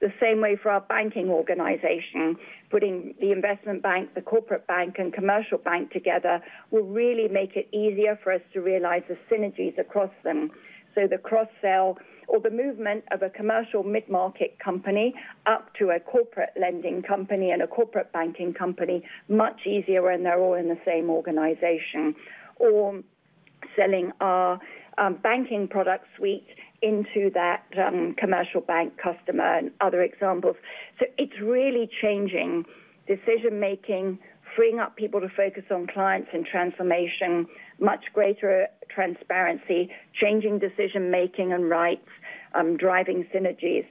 The same way for our banking organization, putting the Investment Bank, the Corporate Bank, and Commercial Bank together will really make it easier for us to realize the synergies across them. So the cross-sell or the movement of a commercial mid-market company up to a corporate lending company and a corporate banking company, much easier when they're all in the same organization. Or selling our, banking product suite into that, Commercial Bank customer and other examples. So it's really changing decision making, freeing up people to focus on clients and transformation, much greater transparency, changing decision making and rights, driving synergies.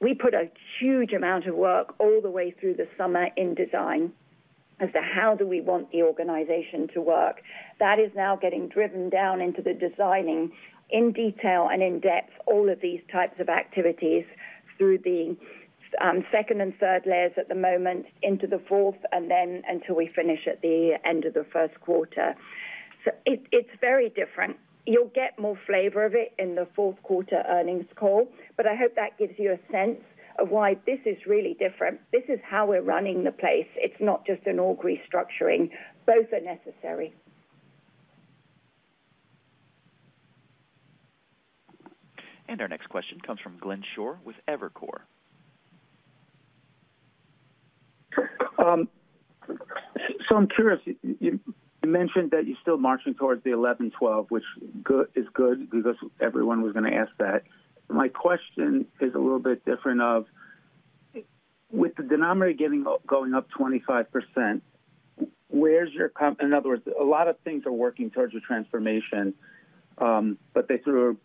We put a huge amount of work all the way through the summer in design as to how do we want the organization to work. That is now getting driven down into the designing in detail and in depth, all of these types of activities through the, second and third layers at the moment into the fourth, and then until we finish at the end of the first quarter. So it's very different. You'll get more flavor of it in the fourth quarter earnings call, but I hope that gives you a sense of why this is really different. This is how we're running the place. It's not just an org restructuring. Both are necessary. Our next question comes from Glenn Schorr with Evercore. So I'm curious, you mentioned that you're still marching towards the 11%-12% which is good because everyone was gonna ask that. My question is a little bit different of, with the denominator going up 25%, where's your— In other words, a lot of things are working towards your transformation, but they threw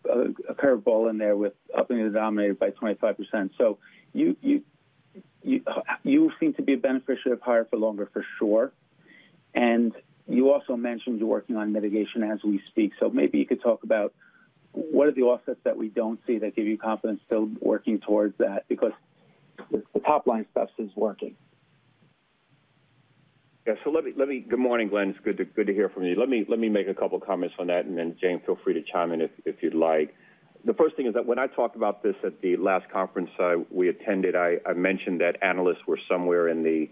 a curve ball in there with upping the denominator by 25%. So you seem to be a beneficiary of higher for longer, for sure. And you also mentioned you're working on mitigation as we speak. So maybe you could talk about what are the offsets that we don't see that give you confidence still working towards that? Because the top line stuff is working. Yeah. So let me. Good morning, Glenn. It's good to hear from you. Let me make a couple comments on that, and then, Jane, feel free to chime in if you'd like. The first thing is that when I talked about this at the last conference we attended, I mentioned that analysts were somewhere in the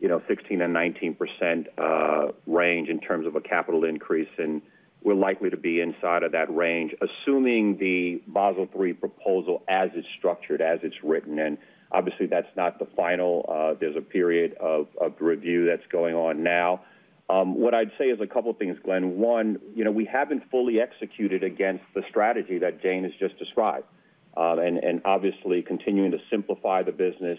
you know, 16%-19% range in terms of a capital increase, and we're likely to be inside of that range, assuming the Basel III proposal as it's structured, as it's written, and obviously, that's not the final. There's a period of review that's going on now. What I'd say is a couple of things, Glenn. One, you know, we haven't fully executed against the strategy that Jane has just described. And obviously, continuing to simplify the business,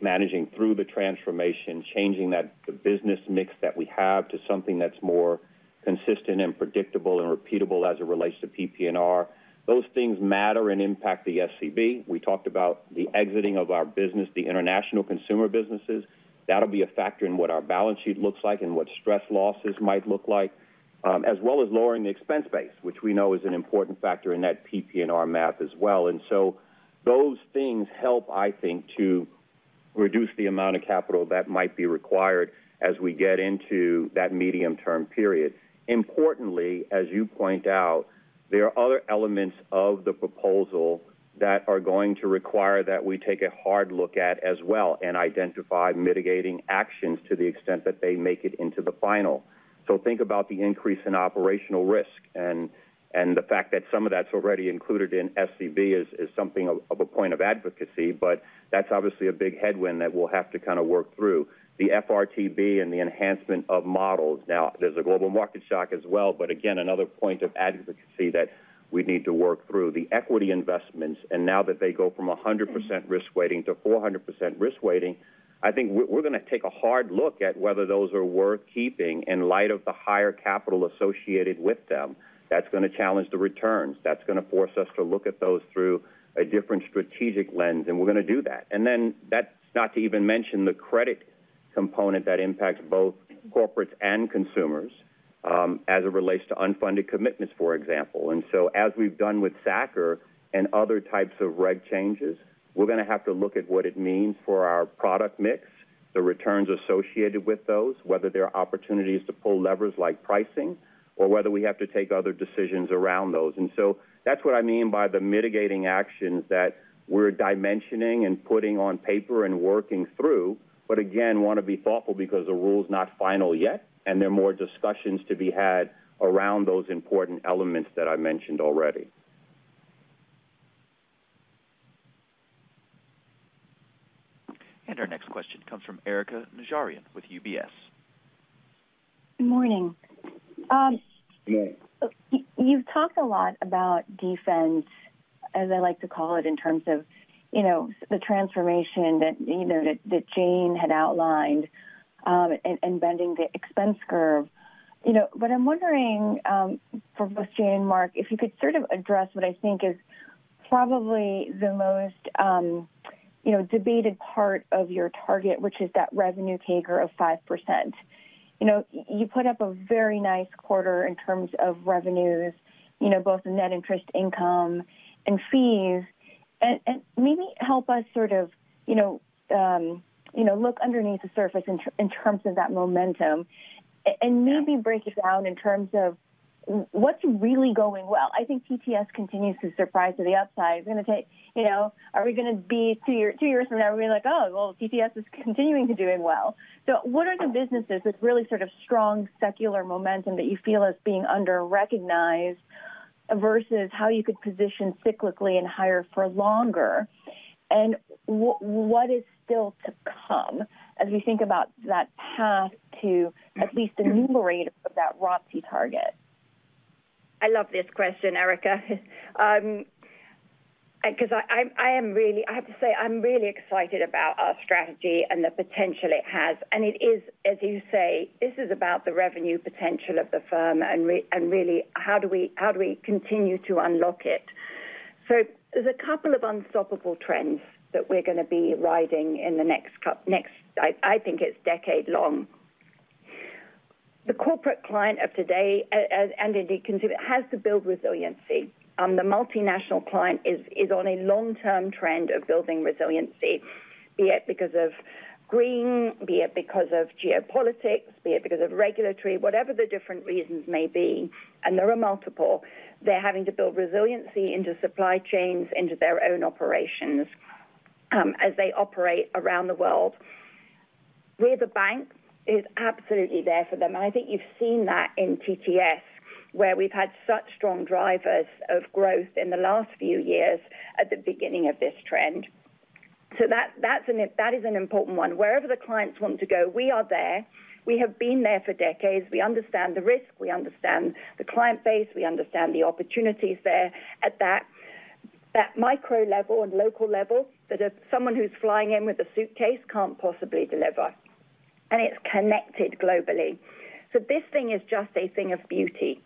managing through the transformation, changing the business mix that we have to something that's more consistent and predictable and repeatable as it relates to PPNR. Those things matter and impact the SCB. We talked about the exiting of our business, the international consumer businesses. That'll be a factor in what our balance sheet looks like and what stress losses might look like. As well as lowering the expense base, which we know is an important factor in that PPNR math as well. Those things help, I think, to reduce the amount of capital that might be required as we get into that medium-term period. Importantly, as you point out, there are other elements of the proposal that are going to require that we take a hard look at as well, and identify mitigating actions to the extent that they make it into the final. Think about the increase in operational risk and, and the fact that some of that's already included in SCB is, is something of, of a point of advocacy, but that's obviously a big headwind that we'll have to kind of work through. The FRTB and the enhancement of models. Now, there's a global market shock as well, but again, another point of advocacy that we need to work through. The equity investments, and now that they go from 100% risk weighting to 400% risk weighting, I think we're going to take a hard look at whether those are worth keeping in light of the higher capital associated with them. That's going to challenge the returns. That's going to force us to look at those through a different strategic lens, and we're going to do that. And then that's not to even mention the credit component that impacts both corporates and consumers, as it relates to unfunded commitments, for example. And so as we've done with SA-CCR and other types of reg changes, we're going to have to look at what it means for our product mix, the returns associated with those, whether there are opportunities to pull levers like pricing, or whether we have to take other decisions around those. And so that's what I mean by the mitigating actions that we're dimensioning and putting on paper and working through. But again, want to be thoughtful because the rule is not final yet, and there are more discussions to be had around those important elements that I mentioned already. Our next question comes from Erika Najarian with UBS. Good morning. Good morning. You've talked a lot about defense, as I like to call it, in terms of, you know, the transformation that, you know, that Jane had outlined, and bending the expense curve. You know, I'm wondering, for both Jane and Mark, if you could sort of address what I think is probably the most, you know, debated part of your target, which is that revenue taker of 5%. You know, you put up a very nice quarter in terms of revenues, you know, both in net interest income and fees. And maybe help us sort of, you know, look underneath the surface in terms of that momentum and maybe break it down in terms of what's really going well? I think TTS continues to surprise to the upside. It's going to take, you know, are we going to be two years from now, we're going to be like, "Oh, well, TTS is continuing to doing well." So what are the businesses with really sort of strong secular momentum that you feel is being underrecognized versus how you could position cyclically and higher for longer? And what is still to come as we think about that path to at least enumerate that ROTCE target? I love this question, Erika. I am really-- I have to say, I'm really excited about our strategy and the potential it has. It is, as you say, this is about the revenue potential of the firm, and really, how do we, how do we continue to unlock it? There's a couple of unstoppable trends that we're going to be riding in the next, I think it's decade long. The corporate client of today, as and indeed, consumer, has to build resiliency. The multinational client is on a long-term trend of building resiliency, be it because of green, be it because of geopolitics, be it because of regulatory, whatever the different reasons may be, and there are multiple. They're having to build resiliency into supply chains, into their own operations, as they operate around the world. We, the bank, is absolutely there for them. I think you've seen that in TTS, where we've had such strong drivers of growth in the last few years at the beginning of this trend. So that, that's an important one. Wherever the clients want to go, we are there. We have been there for decades. We understand the risk, we understand the client base, we understand the opportunities there at that micro level and local level that someone who's flying in with a suitcase can't possibly deliver, and it's connected globally. So this thing is just a thing of beauty.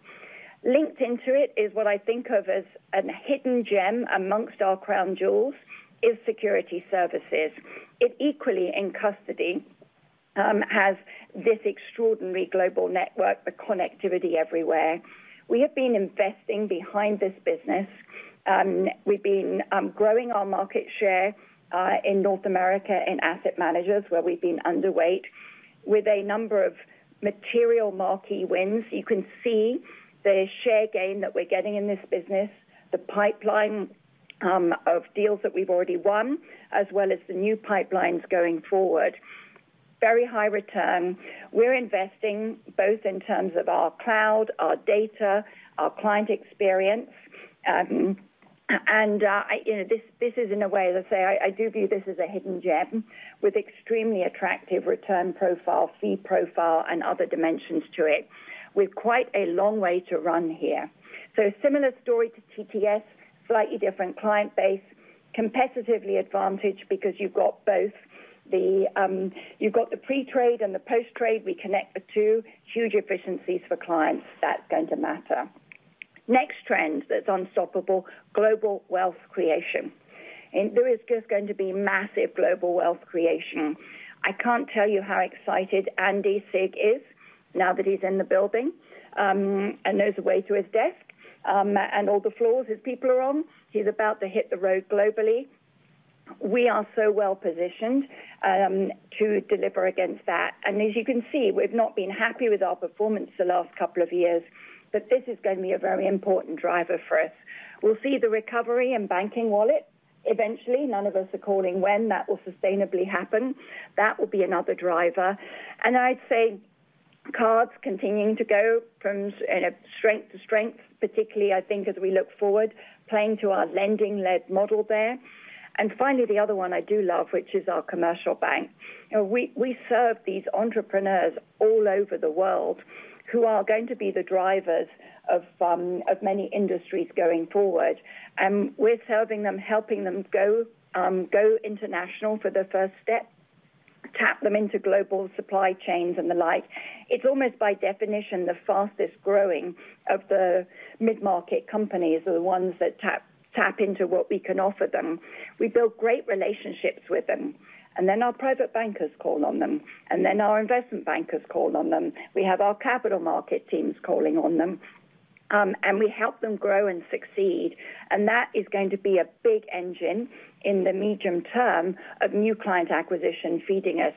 Linked into it is what I think of as a hidden gem amongst our crown jewels, is Securities Services. It equally, in custody, has this extraordinary global network, the connectivity everywhere. We have been investing behind this business. We've been growing our market share in North America, in asset managers, where we've been underweight, with a number of material marquee wins. You can see the share gain that we're getting in this business, the pipeline of deals that we've already won, as well as the new pipelines going forward. Very high return. We're investing both in terms of our cloud, our data, our client experience. And, you know, this, this is in a way, let's say, I, I do view this as a hidden gem with extremely attractive return profile, fee profile, and other dimensions to it, with quite a long way to run here. So similar story to TTS, slightly different client base, competitively advantaged because you've got both the, you've got the pre-trade and the post-trade. We connect the two. Huge efficiencies for clients. That's going to matter. Next trend that's unstoppable, Global Wealth creation. And there is just going to be massive Global Wealth creation. I can't tell you how excited Andy Sieg is now that he's in the building, and knows the way to his desk, and all the floors his people are on. He's about to hit the road globally. We are so well positioned, to deliver against that. And as you can see, we've not been happy with our performance the last couple of years, but this is going to be a very important driver for us. We'll see the recovery in banking wallet eventually. None of us are calling when that will sustainably happen. That will be another driver. And I'd say cards continuing to go from, you know, strength to strength, particularly, I think, as we look forward, playing to our lending-led model there. And finally, the other one I do love, which is our Commercial Bank. You know, we serve these entrepreneurs all over the world who are going to be the drivers of many industries going forward, and we're serving them, helping them go international for their first step, tap them into global supply chains and the like. It's almost by definition, the fastest growing of the mid-market companies are the ones that tap into what we can offer them. We build great relationships with them, and then our private bankers call on them, and then our investment bankers call on them. We have our capital market teams calling on them, and we help them grow and succeed. That is going to be a big engine in the medium term of new client acquisition feeding us.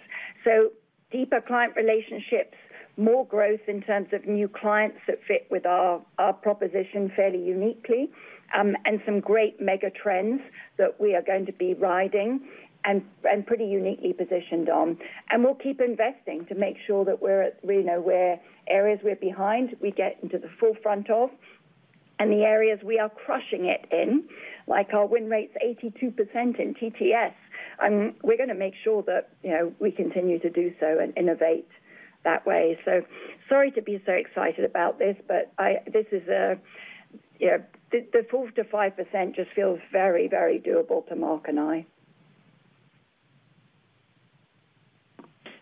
Deeper client relationships, more growth in terms of new clients that fit with our proposition fairly uniquely, and some great mega trends that we are going to be riding and pretty uniquely positioned on. We'll keep investing to make sure that we're at—we know where areas we're behind, we get into the forefront of, and the areas we are crushing it in, like our win rate's 82% in TTS. We're going to make sure that, you know, we continue to do so and innovate that way. So sorry to be so excited about this, but I -- this is a, you know, the 4%-5% just feels very, very doable to Mark and I.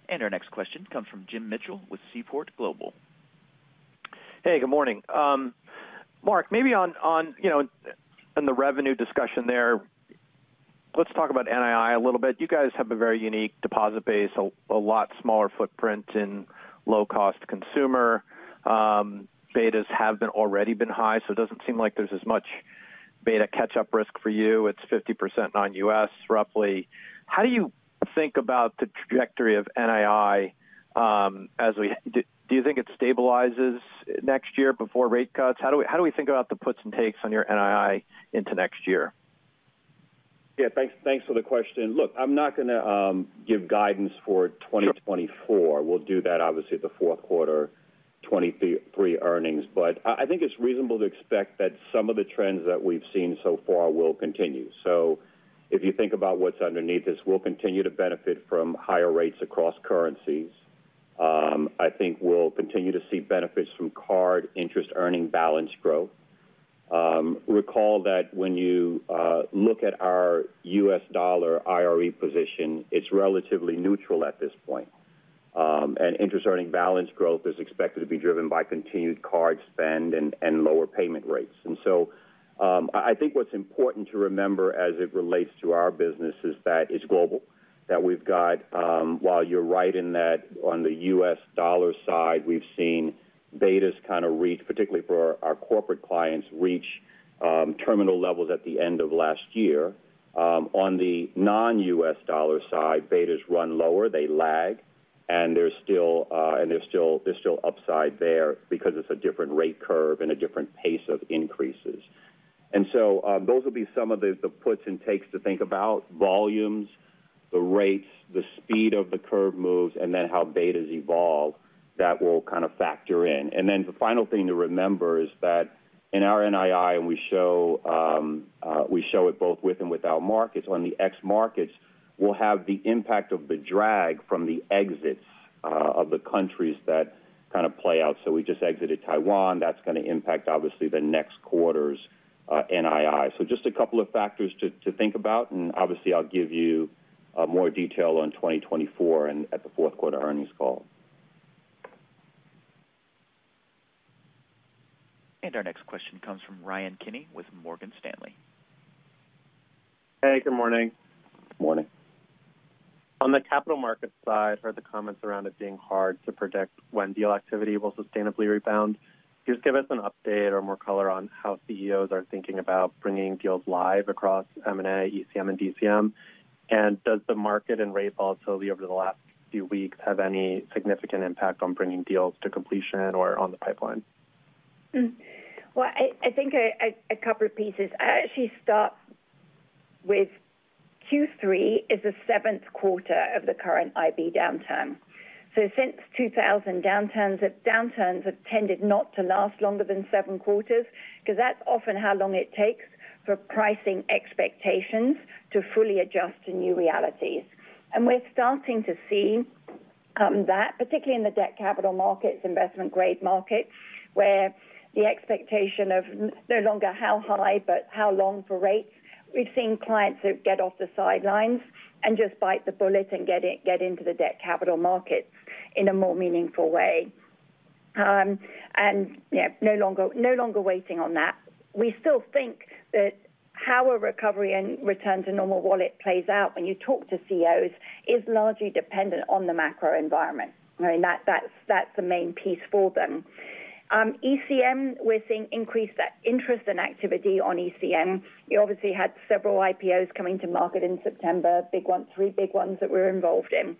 And our next question comes from Jim Mitchell with Seaport Global. Hey, good morning. Mark, maybe on, you know, on the revenue discussion there, let's talk about NII a little bit. You guys have a very unique deposit base, a lot smaller footprint in low-cost consumer. Betas have already been high, so it doesn't seem like there's as much beta catch-up risk for you. It's 50% non-U.S., roughly. How do you think about the trajectory of NII, you know, as we-- Do you think it stabilizes next year before rate cuts? How do we, how do we think about the puts and takes on your NII into next year? Yeah, thanks. Thanks for the question. Look, I'm not going to give guidance for 2024. Sure. We'll do that obviously at the fourth quarter 2023 earnings. But I think it's reasonable to expect that some of the trends that we've seen so far will continue. So if you think about what's underneath this, we'll continue to benefit from higher rates across currencies. I think we'll continue to see benefits from card interest earning balance growth. Recall that when you look at our U.S. dollar IRE position, it's relatively neutral at this point. And interest earning balance growth is expected to be driven by continued card spend and lower payment rates. And so, I, I think what's important to remember as it relates to our business is that it's global, that we've got, while you're right in that on the U.S. dollar side, we've seen betas kind of reach, particularly for our corporate clients, reach, terminal levels at the end of last year. On the non-U.S. dollar side, betas run lower, they lag, and there's still, and there's still, there's still upside there because it's a different rate curve and a different pace of increases. And so, those will be some of the, the puts and takes to think about. Volumes, the rates, the speed of the curve moves, and then how betas evolve, that will kind of factor in. And then the final thing to remember is that in our NII, and we show it both with and without markets, on the ex markets, we'll have the impact of the drag from the exits of the countries that kind of play out. So we just exited Taiwan. That's going to impact, obviously, the next quarter's NII. So just a couple of factors to think about, and obviously, I'll give you more detail on 2024 and at the fourth quarter earnings call. Our next question comes from Ryan Kenny with Morgan Stanley. Hey, good morning. Good morning. On the capital markets side, heard the comments around it being hard to predict when deal activity will sustainably rebound. Can you just give us an update or more color on how CEOs are thinking about bringing deals live across M&A, ECM, and DCM? And does the market and rate volatility over the last few weeks have any significant impact on bringing deals to completion or on the pipeline? Well, I think a couple of pieces. I actually start with Q3 is the seventh quarter of the current IB downturn. So since 2000, downturns have, downturns have tended not to last longer than seven quarters, because that's often how long it takes for pricing expectations to fully adjust to new realities. We're starting to see that, particularly in the debt capital markets, investment grade markets, where the expectation of no longer how high, but how long for rates, we've seen clients who get off the sidelines and just bite the bullet and get into the debt capital markets in a more meaningful way. And, yeah, no longer waiting on that. We still think that how a recovery and return to normal wallet plays out when you talk to CEOs is largely dependent on the macro environment. I mean, that's the main piece for them. ECM, we're seeing increased interest and activity on ECM. You obviously had several IPOs coming to market in September. Big ones, three big ones that we're involved in.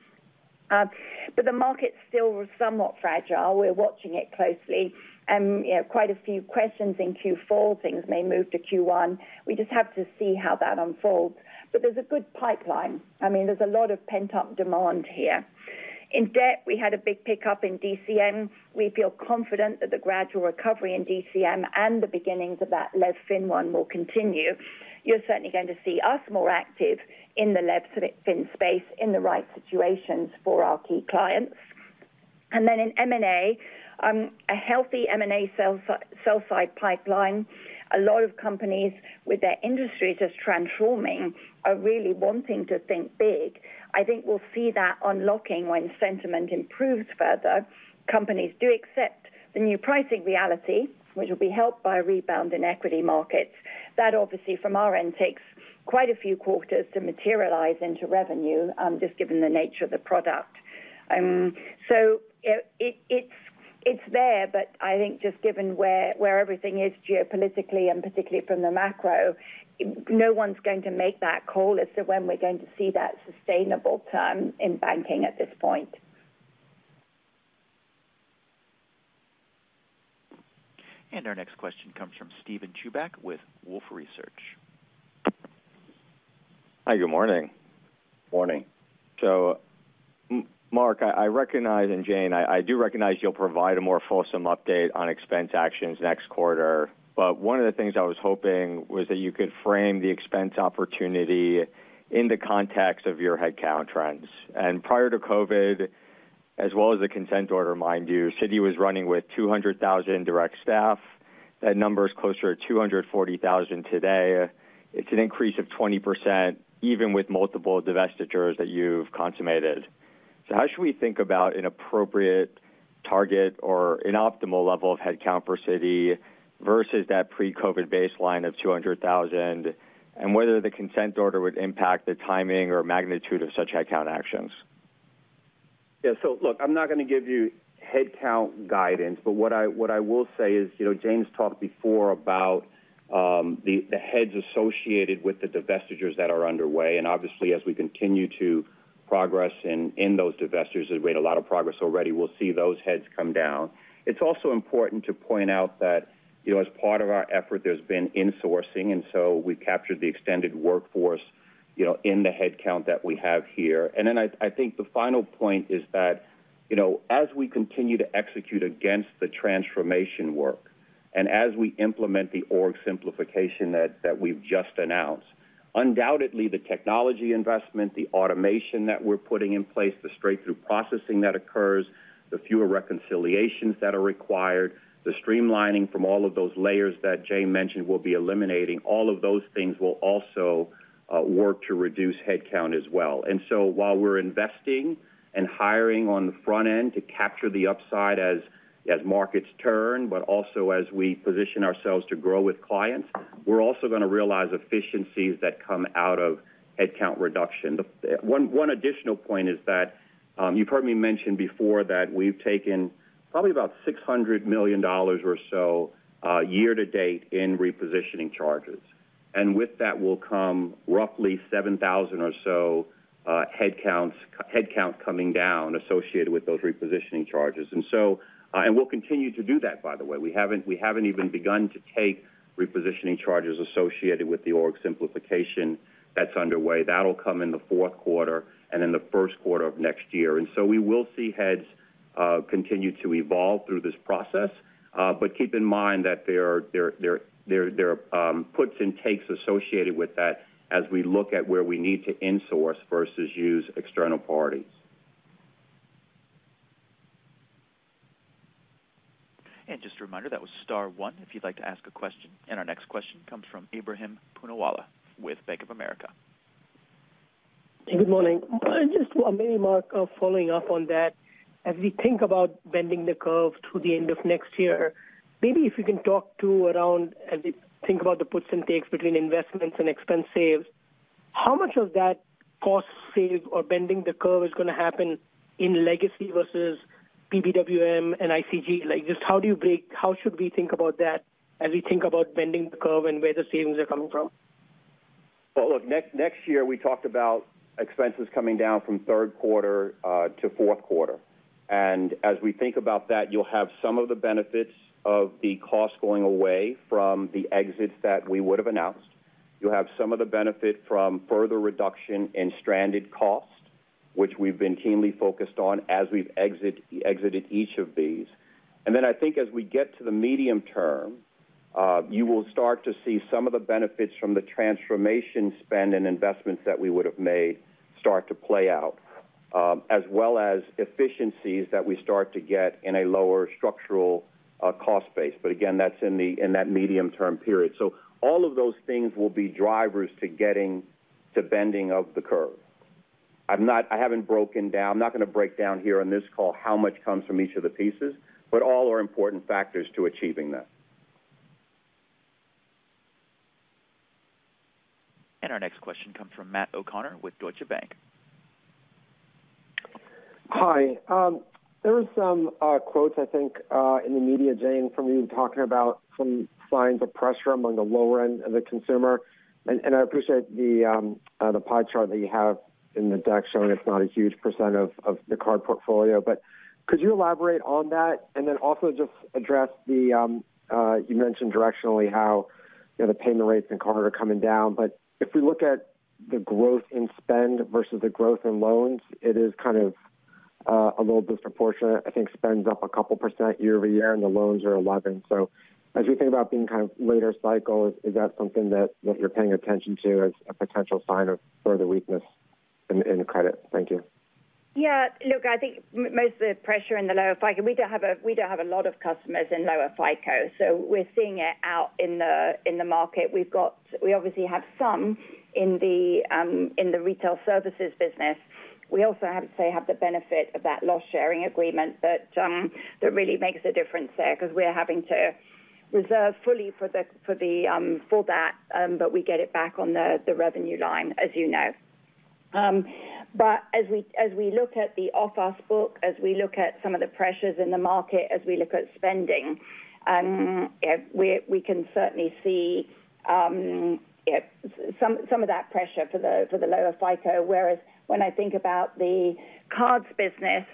But the market still was somewhat fragile. We're watching it closely. And, you know, quite a few questions in Q4, things may move to Q1. We just have to see how that unfolds. But there's a good pipeline. I mean, there's a lot of pent-up demand here. In debt, we had a big pickup in DCM. We feel confident that the gradual recovery in DCM and the beginnings of that LevFin one will continue. You're certainly going to see us more active in the LevFin space, in the right situations for our key clients. And then in M&A, a healthy M&A sell-side pipeline. A lot of companies with their industry just transforming, are really wanting to think big. I think we'll see that unlocking when sentiment improves further. Companies do accept the new pricing reality, which will be helped by a rebound in equity markets. That obviously, from our end, takes quite a few quarters to materialize into revenue, just given the nature of the product. So, you know, it, it's, it's there, but I think just given where, where everything is geopolitically, and particularly from the macro, no one's going to make that call as to when we're going to see that sustainable turn in banking at this point. Our next question comes from Steven Chubak with Wolfe Research. Hi, good morning. Morning. So, Mark, I recognize, and Jane, I do recognize you'll provide a more fulsome update on expense actions next quarter, but one of the things I was hoping was that you could frame the expense opportunity in the context of your headcount trends. And prior to COVID, as well as the consent order, mind you, Citi was running with 200,000 direct staff. That number is closer to 240,000 today. It's an increase of 20%, even with multiple divestitures that you've consummated. So how should we think about an appropriate target or an optimal level of headcount for Citi versus that pre-COVID baseline of 200,000, and whether the consent order would impact the timing or magnitude of such headcount actions? Yeah, so look, I'm not going to give you headcount guidance, but what I, what I will say is, you know, Jane's talked before about, the heads associated with the divestitures that are underway. And obviously, as we continue to progress in those divestitures, we had a lot of progress already, we'll see those heads come down. It's also important to point out that, you know, as part of our effort, there's been insourcing, and so we've captured the extended workforce, you know, in the headcount that we have here. And then I think the final point is that, you know, as we continue to execute against the transformation work, and as we implement the org simplification that we've just announced, undoubtedly, the technology investment, the automation that we're putting in place, the straight-through processing that occurs, the fewer reconciliations that are required, the streamlining from all of those layers that Jane mentioned, we'll be eliminating all of those things will also work to reduce headcount as well. And so while we're investing and hiring on the front end to capture the upside as markets turn, but also as we position ourselves to grow with clients, we're also going to realize efficiencies that come out of headcount reduction. One additional point is that you've heard me mention before that we've taken probably about $600 million or so year to date in repositioning charges, and with that will come roughly 7,000 or so headcounts, headcount coming down associated with those repositioning charges. And so, and we'll continue to do that, by the way. We haven't, we haven't even begun to take repositioning charges associated with the org simplification that's underway. That'll come in the fourth quarter and in the first quarter of next year. And so we will see heads continue to evolve through this process, but keep in mind that there are puts and takes associated with that as we look at where we need to insource versus use external parties. Just a reminder, that was star one, if you'd like to ask a question. Our next question comes from Ebrahim Poonawala with Bank of America. Good morning. Just maybe, Mark, following up on that, as we think about bending the curve through the end of next year, maybe if you can talk to around, as we think about the puts and takes between investments and expense saves, how much of that cost save or bending the curve is going to happen in Legacy versus PBWM and ICG? Like, just how do you break. How should we think about that as we think about bending the curve and where the savings are coming from? Well, look, next year, we talked about expenses coming down from third quarter to fourth quarter. And as we think about that, you'll have some of the benefits of the cost going away from the exits that we would have announced. You'll have some of the benefit from further reduction in stranded costs, which we've been keenly focused on as we've exited each of these. And then I think as we get to the medium term, you will start to see some of the benefits from the transformation spend and investments that we would have made start to play out, as well as efficiencies that we start to get in a lower structural cost base. But again, that's in the, in that medium-term period. So all of those things will be drivers to getting to bending of the curve. I haven't broken down. I'm not gonna break down here on this call how much comes from each of the pieces, but all are important factors to achieving that. Our next question comes from Matt O'Connor with Deutsche Bank. Hi. There were some quotes, I think, in the media, Jane, from you talking about some signs of pressure among the lower end of the consumer. I appreciate the pie chart that you have in the deck showing it's not a huge percent of the card portfolio. But could you elaborate on that? And then also just address the you mentioned directionally how, you know, the payment rates and card are coming down, but if we look at the growth in spend versus the growth in loans, it is kind of a little disproportionate. I think spend's up a couple percent year-over-year, and the loans are 11%. So as you think about being kind of later cycle, is that something that you're paying attention to as a potential sign of further weakness in the credit? Thank you. Yeah, look, I think most of the pressure in the lower FICO. We don't have a lot of customers in lower FICO, so we're seeing it out in the market. We obviously have some in the Retail Services business. We also, I have to say, have the benefit of that loss sharing agreement that really makes a difference there, because we're having to reserve fully for that, but we get it back on the revenue line, as you know. But as we look at the off our book, as we look at some of the pressures in the market, as we look at spending, you know, we can certainly see, you know, some of that pressure for the lower FICO. Whereas when I think about the cards business,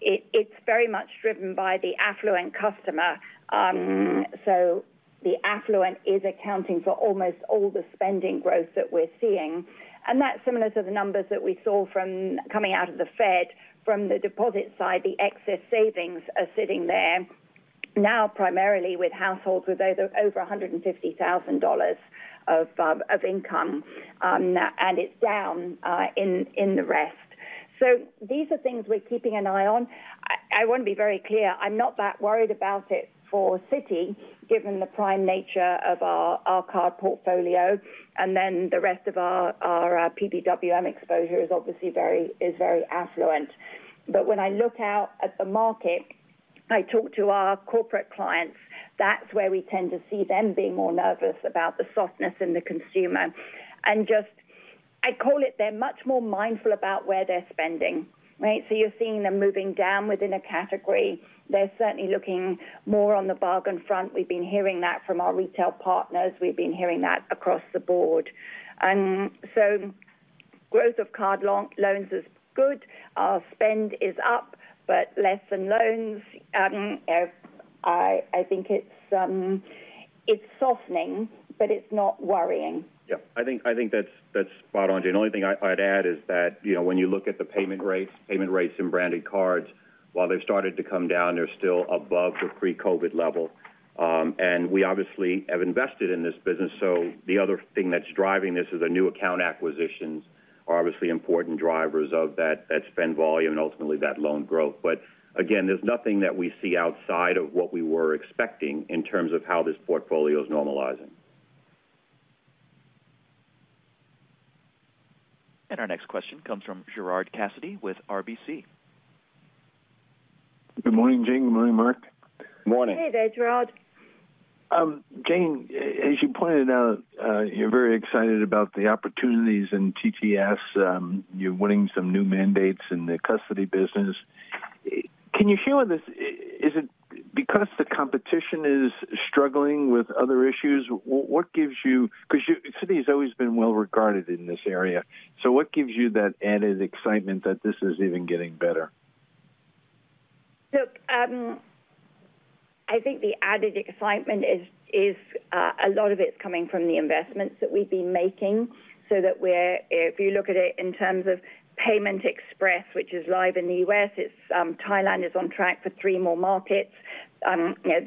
it's very much driven by the affluent customer. The affluent is accounting for almost all the spending growth that we're seeing, and that's similar to the numbers that we saw coming out of the Fed. From the deposit side, the excess savings are sitting there, now primarily with households with over $150,000 of income, and it's down in the rest. These are things we're keeping an eye on. I want to be very clear, I'm not that worried about it for Citi, given the prime nature of our card portfolio, and then the rest of our PBWM exposure is obviously very, is very affluent. But when I look out at the market, I talk to our corporate clients, that's where we tend to see them being more nervous about the softness in the consumer. And just, I'd call it, they're much more mindful about where they're spending, right? So you're seeing them moving down within a category. They're certainly looking more on the bargain front. We've been hearing that from our retail partners. We've been hearing that across the board. And so growth of card loans is good. Our spend is up, but less than loans. I think it's softening, but it's not worrying. Yeah. I think that's spot on, Jane. The only thing I'd add is that, you know, when you look at the payment rates, payment rates in branded cards, while they've started to come down, they're still above the pre-COVID level. We obviously have invested in this business, so the other thing that's driving this is the new account acquisitions are obviously important drivers of that spend volume and ultimately that loan growth. Again, there's nothing that we see outside of what we were expecting in terms of how this portfolio is normalizing. Our next question comes from Gerard Cassidy with RBC. Good morning, Jane. Good morning, Mark. Morning. Hey there, Gerard. Jane, as you pointed out, you're very excited about the opportunities in TTS. You're winning some new mandates in the custody business. Can you share with us, is it because the competition is struggling with other issues? What gives you that added excitement? Because Citi has always been well regarded in this area. So what gives you that added excitement that this is even getting better? Look, I think the added excitement is, is, a lot of it's coming from the investments that we've been making, so that we're—if you look at it in terms of Payment Express, which is live in the U.S., Thailand is on track for three more markets. You know,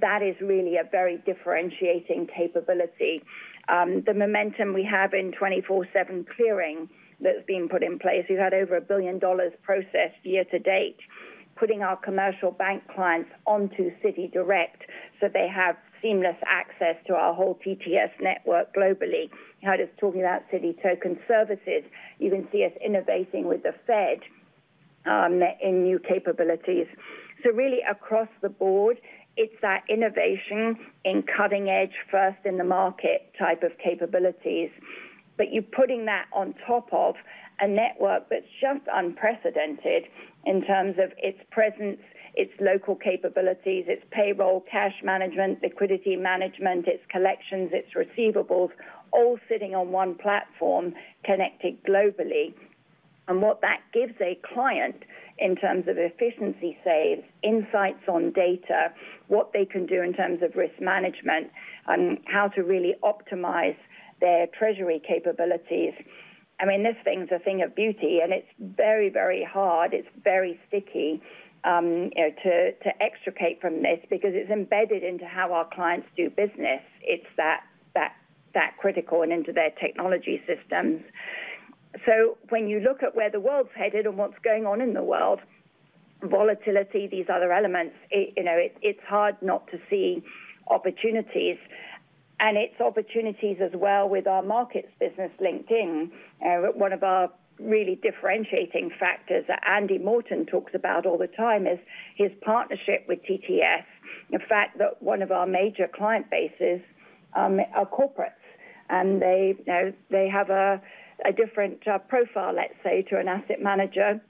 that is really a very differentiating capability. The momentum we have in 24/7 Clearing that's been put in place, we've had over $1 billion processed year to date, putting our Commercial Bank clients onto CitiDirect, so they have seamless access to our whole TTS network globally. I was talking about Citi Token Services. You can see us innovating with the Fed, in new capabilities. Really, across the board, it's that innovation in cutting edge, first in the market type of capabilities. But you're putting that on top of a network that's just unprecedented in terms of its presence, its local capabilities, its payroll, cash management, liquidity management, its collections, its receivables, all sitting on one platform connected globally. And what that gives a client in terms of efficiency saves, insights on data, what they can do in terms of risk management, on how to really optimize their treasury capabilities. I mean, this thing's a thing of beauty, and it's very, very hard. It's very sticky, you know, to extricate from this, because it's embedded into how our clients do business. It's that critical and into their technology systems. So when you look at where the world's headed and what's going on in the world, volatility, these other elements, you know, it's hard not to see opportunities. And its opportunities as well with our markets business linked in. One of our really differentiating factors that Andy Morton talks about all the time is his partnership with TTS. The fact that one of our major client bases are corporates, and they, you know, they have a different profile, let's say, to an asset manager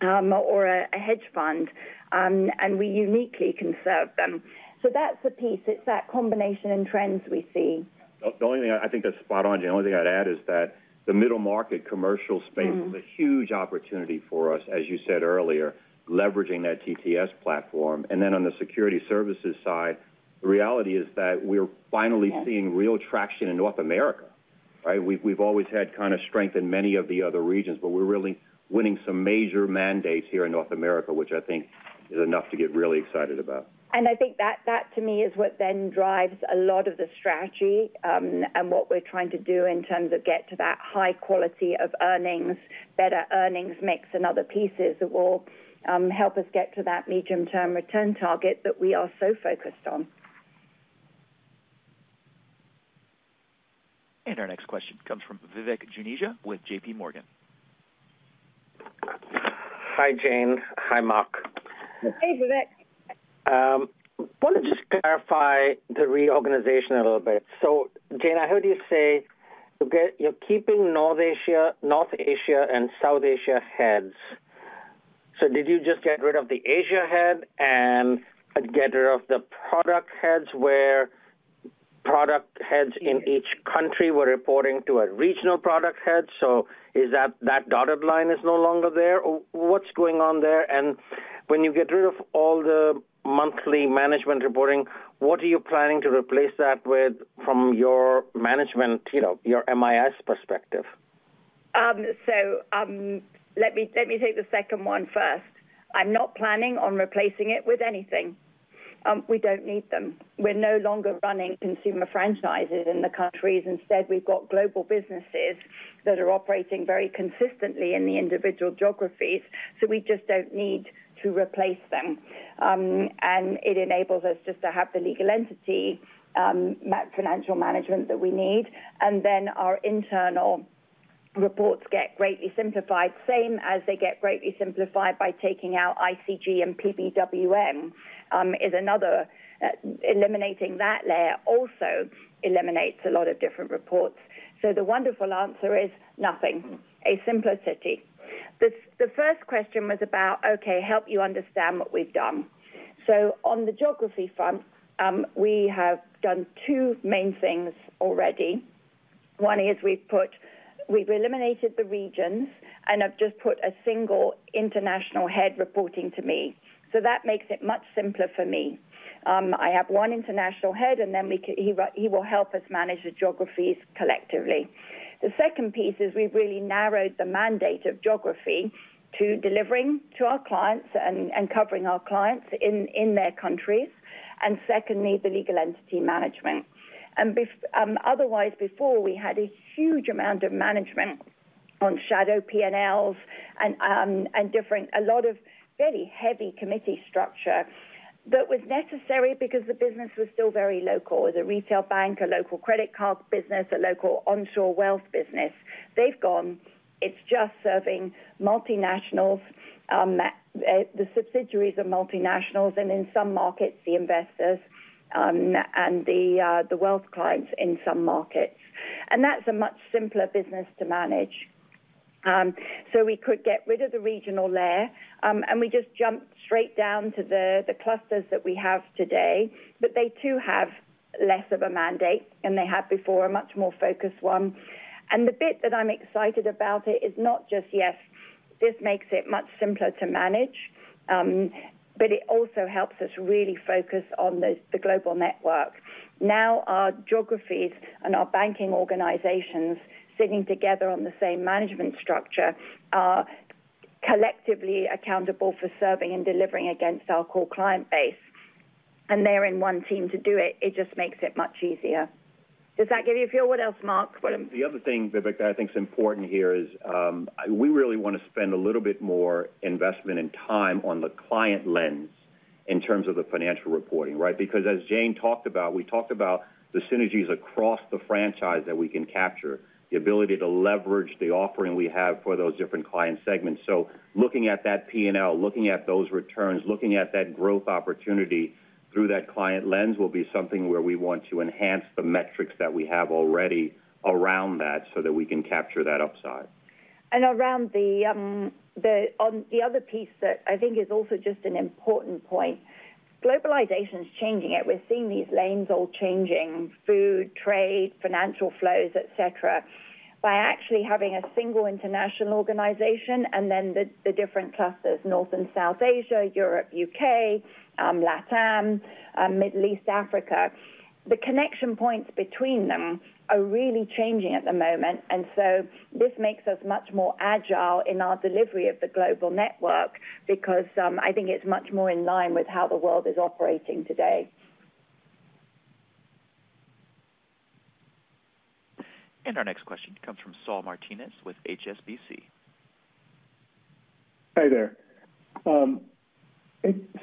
or a hedge fund, and we uniquely can serve them. So that's the piece. It's that combination and trends we see. The only thing I think that's spot on, Jane, the only thing I'd add is that the middle market commercial space is a huge opportunity for us, as you said earlier, leveraging that TTS platform. And then on Securities Services side, the reality is that we're finally seeing real traction in North America, right? We've always had kind of strength in many of the other regions, but we're really winning some major mandates here in North America, which I think is enough to get really excited about. I think that to me is what then drives a lot of the strategy, and what we're trying to do in terms of get to that high quality of earnings, better earnings mix and other pieces that will help us get to that medium-term return target that we are so focused on. Our next question comes from Vivek Juneja with JPMorgan. Hi, Jane. Hi, Mark. Hey, Vivek. Want to just clarify the reorganization a little bit. So Jane, I heard you say you get-- you're keeping North Asia, North Asia and South Asia heads. So did you just get rid of the Asia head and get rid of the product heads, where product heads in each country were reporting to a regional product head? So is that, that dotted line is no longer there, or what's going on there? And when you get rid of all the monthly management reporting, what are you planning to replace that with from your management, you know, your MIS perspective? Let me take the second one first. I'm not planning on replacing it with anything. We don't need them. We're no longer running consumer franchises in the countries. Instead, we've got global businesses that are operating very consistently in the individual geographies, so we just don't need to replace them. It enables us just to have the legal entity, financial management that we need, and then our internal reports get greatly simplified. Same as they get greatly simplified by taking out ICG and PBWM, is another. Eliminating that layer also eliminates a lot of different reports. So the wonderful answer is nothing, a simplicity. The first question was about, okay, help you understand what we've done. On the geography front, we have done two main things already. One is we've eliminated the regions and have just put a single international head reporting to me. That makes it much simpler for me. I have one international head, and then he will help us manage the geographies collectively. The second piece is we've really narrowed the mandate of geography to delivering to our clients and covering our clients in their countries, and secondly, the legal entity management. Otherwise, before we had a huge amount of management on shadow P&Ls and different-- a lot of very heavy committee structure that was necessary because the business was still very local. It was a retail bank, a local credit card business, a local onshore Wealth business. They've gone. It's just serving multinationals, the subsidiaries of multinationals, and in some markets, the investors, and the wealth clients in some markets. That's a much simpler business to manage. So we could get rid of the regional layer, and we just jumped straight down to the clusters that we have today. But they, too, have less of a mandate than they had before, a much more focused one. The bit that I'm excited about is not just, yes, this makes it much simpler to manage, but it also helps us really focus on the global network. Now, our geographies and our banking organizations sitting together on the same management structure are collectively accountable for serving and delivering against our core client base, and they're in one team to do it. It just makes it much easier. Does that give you a feel? What else, Mark? The other thing, Vivek, that I think is important here is, we really want to spend a little bit more investment and time on the client lens in terms of the financial reporting, right? Because as Jane talked about, we talked about the synergies across the franchise that we can capture, the ability to leverage the offering we have for those different client segments. So looking at that P&L, looking at those returns, looking at that growth opportunity through that client lens, will be something where we want to enhance the metrics that we have already around that, so that we can capture that upside. Around the other piece that I think is also just an important point, globalization is changing it. We're seeing these lanes all changing, food, trade, financial flows, et cetera. By actually having a single international organization and then the different clusters, North and South Asia, Europe, U.K., Latam, Middle East, Africa, the connection points between them are really changing at the moment. And so this makes us much more agile in our delivery of the global network because I think it's much more in line with how the world is operating today. Our next question comes from Saul Martinez with HSBC. Hi there. I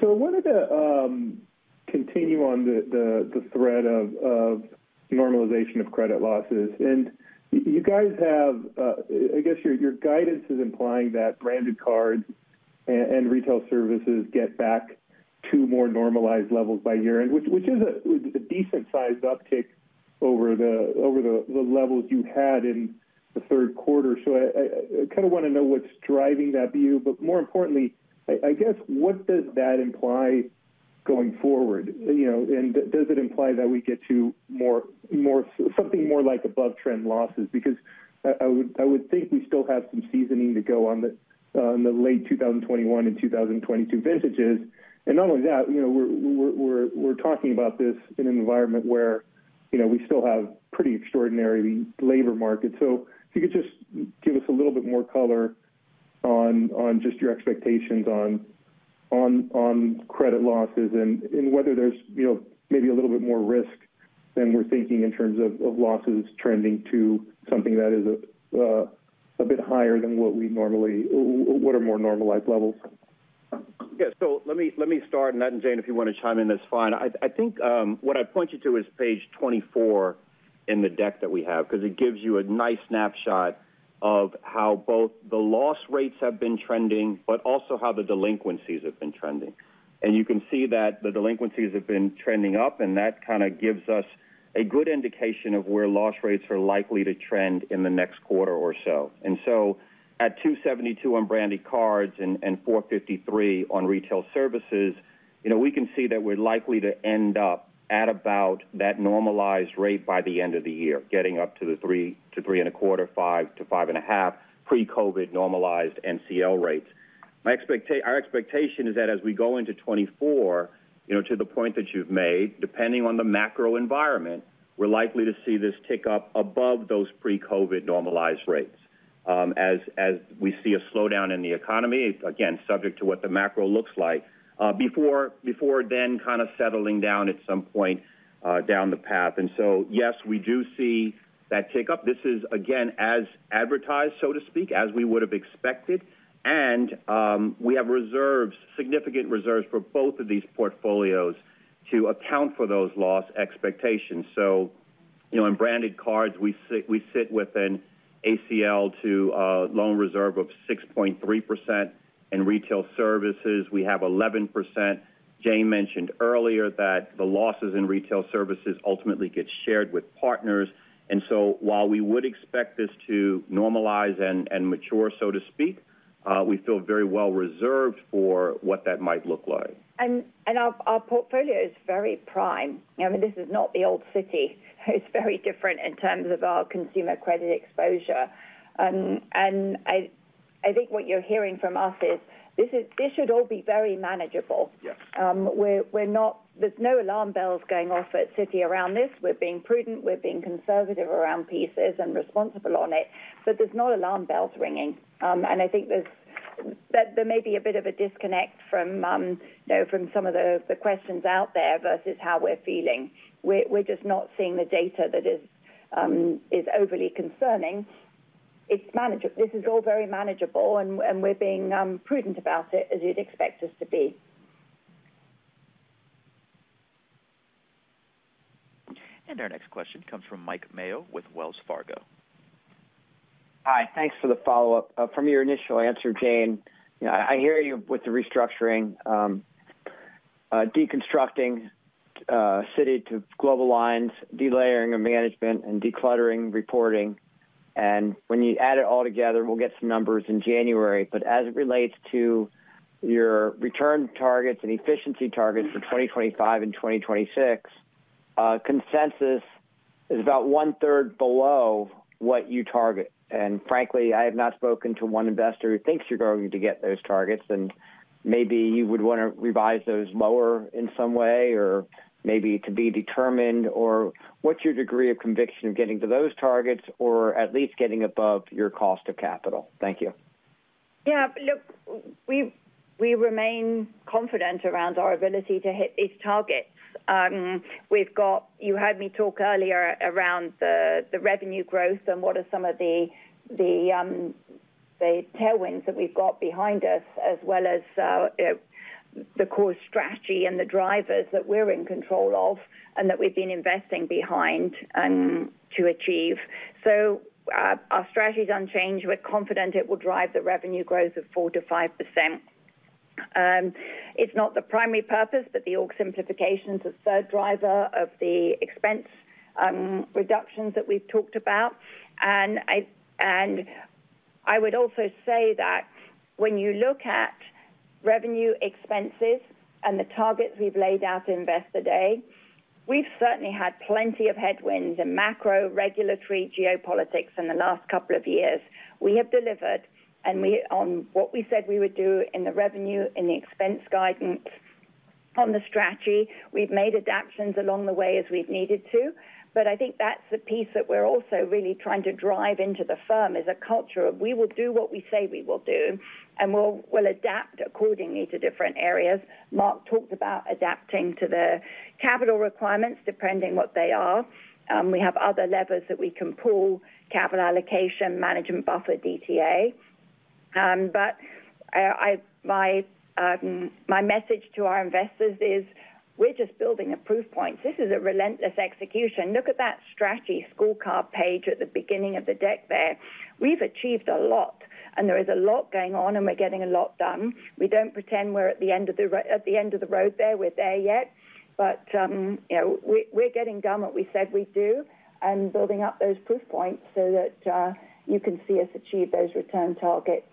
wanted to continue on the thread of normalization of credit losses. You guys have, I guess your guidance is implying that branded cards and Retail Services get back to more normalized levels by year-end, which is a decent-sized uptick over the levels you had in the third quarter. So I kind of want to know what's driving that view. But more importantly, I guess, what does that imply going forward? You know, and does it imply that we get to more something more like above trend losses? Because I would think we still have some seasoning to go on the late 2021 and 2022 vintages. Not only that, you know, we're talking about this in an environment where, you know, we still have pretty extraordinary labor markets. So if you could just give us a little bit more color on just your expectations on credit losses and whether there's, you know, maybe a little bit more risk than we're thinking in terms of losses trending to something that is a bit higher than what we normally what are more normalized levels. Yeah. So let me, let me start, and then, Jane, if you want to chime in, that's fine. I, I think, what I'd point you to is page 24 in the deck that we have, because it gives you a nice snapshot of how both the loss rates have been trending, but also how the delinquencies have been trending. And you can see that the delinquencies have been trending up, and that kind of gives us a good indication of where loss rates are likely to trend in the next quarter or so. At 2.72% on branded cards and 4.53% on Retail Services, you know, we can see that we're likely to end up at about that normalized rate by the end of the year, getting up to the 3%-3.25% to 5%-5.5% pre-COVID normalized NCL rates. My expectation is that as we go into 2024, you know, to the point that you've made, depending on the macro environment, we're likely to see this tick up above those pre-COVID normalized rates, you know, as we see a slowdown in the economy, again, subject to what the macro looks like, before then kind of settling down at some point down the path. Yes, we do see that tick up. This is, again, as advertised, so to speak, as we would have expected. We have reserves, significant reserves for both of these portfolios to account for those loss expectations. So, you know, in branded cards, we sit with an ACL to loan reserve of 6.3%. In Retail Services, we have 11%. Jane mentioned earlier that the losses in Retail Services ultimately get shared with partners, and so while we would expect this to normalize and mature, so to speak, we feel very well reserved for what that might look like. Our portfolio is very prime. I mean, this is not the old Citi. It's very different in terms of our consumer credit exposure. I think what you're hearing from us is this is, this should all be very manageable. Yes. We're not—there's no alarm bells going off at Citi around this. We're being prudent, we're being conservative around pieces and responsible on it, but there's no alarm bells ringing. And I think there may be a bit of a disconnect from, you know, from some of the questions out there versus how we're feeling. We're just not seeing the data that is overly concerning. This is all very manageable, and we're being prudent about it, as you'd expect us to be. Our next question comes from Mike Mayo with Wells Fargo. Hi. Thanks for the follow-up. From your initial answer, Jane, you know, I hear you with the restructuring, deconstructing, Citi to global lines, delayering of management, and decluttering reporting. And when you add it all together, we'll get some numbers in January. But as it relates to your return targets and efficiency targets for 2025 and 2026, consensus is about one third below what you target. And frankly, I have not spoken to one investor who thinks you're going to get those targets, and maybe you would want to revise those lower in some way, or maybe to be determined, or what's your degree of conviction of getting to those targets, or at least getting above your cost of capital? Thank you. Yeah. Look, we remain confident around our ability to hit these targets. We've got—you heard me talk earlier around the revenue growth and what are some of the tailwinds that we've got behind us, as well as, you know, the core strategy and the drivers that we're in control of and that we've been investing behind to achieve. So, our strategy is unchanged. We're confident it will drive the revenue growth of 4%-5%. It's not the primary purpose, but the org simplification is a third driver of the expense reductions that we've talked about. And I would also say that when you look at revenue expenses and the targets we've laid out in Investor Day, we've certainly had plenty of headwinds in macro, regulatory, geopolitics in the last couple of years. We have delivered on what we said we would do in the revenue and the expense guidance. On the strategy, we've made adaptations along the way as we've needed to, but I think that's the piece that we're also really trying to drive into the firm, is a culture of we will do what we say we will do, and we'll adapt accordingly to different areas. Mark talked about adapting to the capital requirements, depending what they are. We have other levers that we can pull, capital allocation, management buffer, DTA. But, my message to our investors is we're just building a proof point. This is a relentless execution. Look at that strategy scorecard page at the beginning of the deck there. We've achieved a lot, and there is a lot going on, and we're getting a lot done. We don't pretend we're at the end of the road there. We're there yet, but, you know, we, we're getting done what we said we'd do and building up those proof points so that, you can see us achieve those return targets.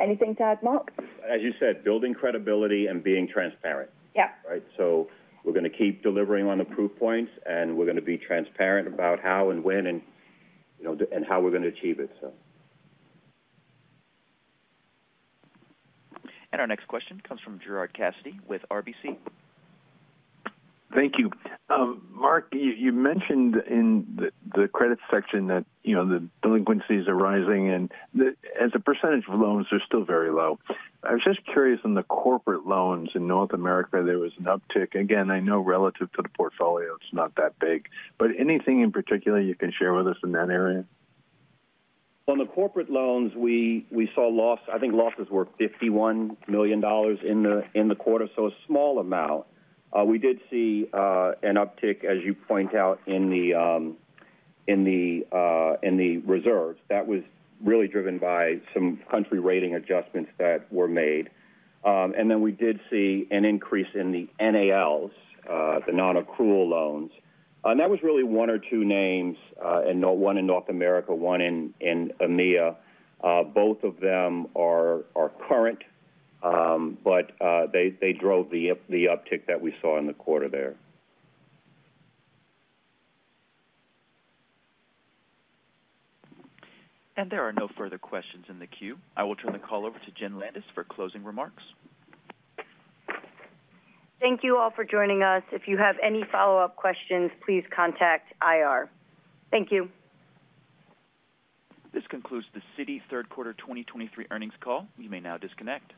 Anything to add, Mark? As you said, building credibility and being transparent. Yeah. Right? So we're gonna keep delivering on the proof points, and we're gonna be transparent about how and when and, you know, and how we're gonna achieve it, so. Our next question comes from Gerard Cassidy with RBC. Thank you. Mark, you mentioned in the credit section that, you know, the delinquencies are rising and, as a percentage of loans, they're still very low. I was just curious, on the corporate loans in North America, there was an uptick. Again, I know relative to the portfolio, it's not that big, but anything in particular you can share with us in that area? On the corporate loans, we saw losses were $51 million in the quarter, so a small amount. We did see an uptick, as you point out, in the reserves. That was really driven by some country rating adjustments that were made. And then we did see an increase in the NALs, the non-accrual loans. And that was really one or two names, one in North America, one in EMEA. Both of them are current, but they drove the uptick that we saw in the quarter there. There are no further questions in the queue. I will turn the call over to Jenn Landis for closing remarks. Thank you all for joining us. If you have any follow-up questions, please contact IR. Thank you. This concludes the Citi's Third Quarter 2023 Earnings Call. You may now disconnect.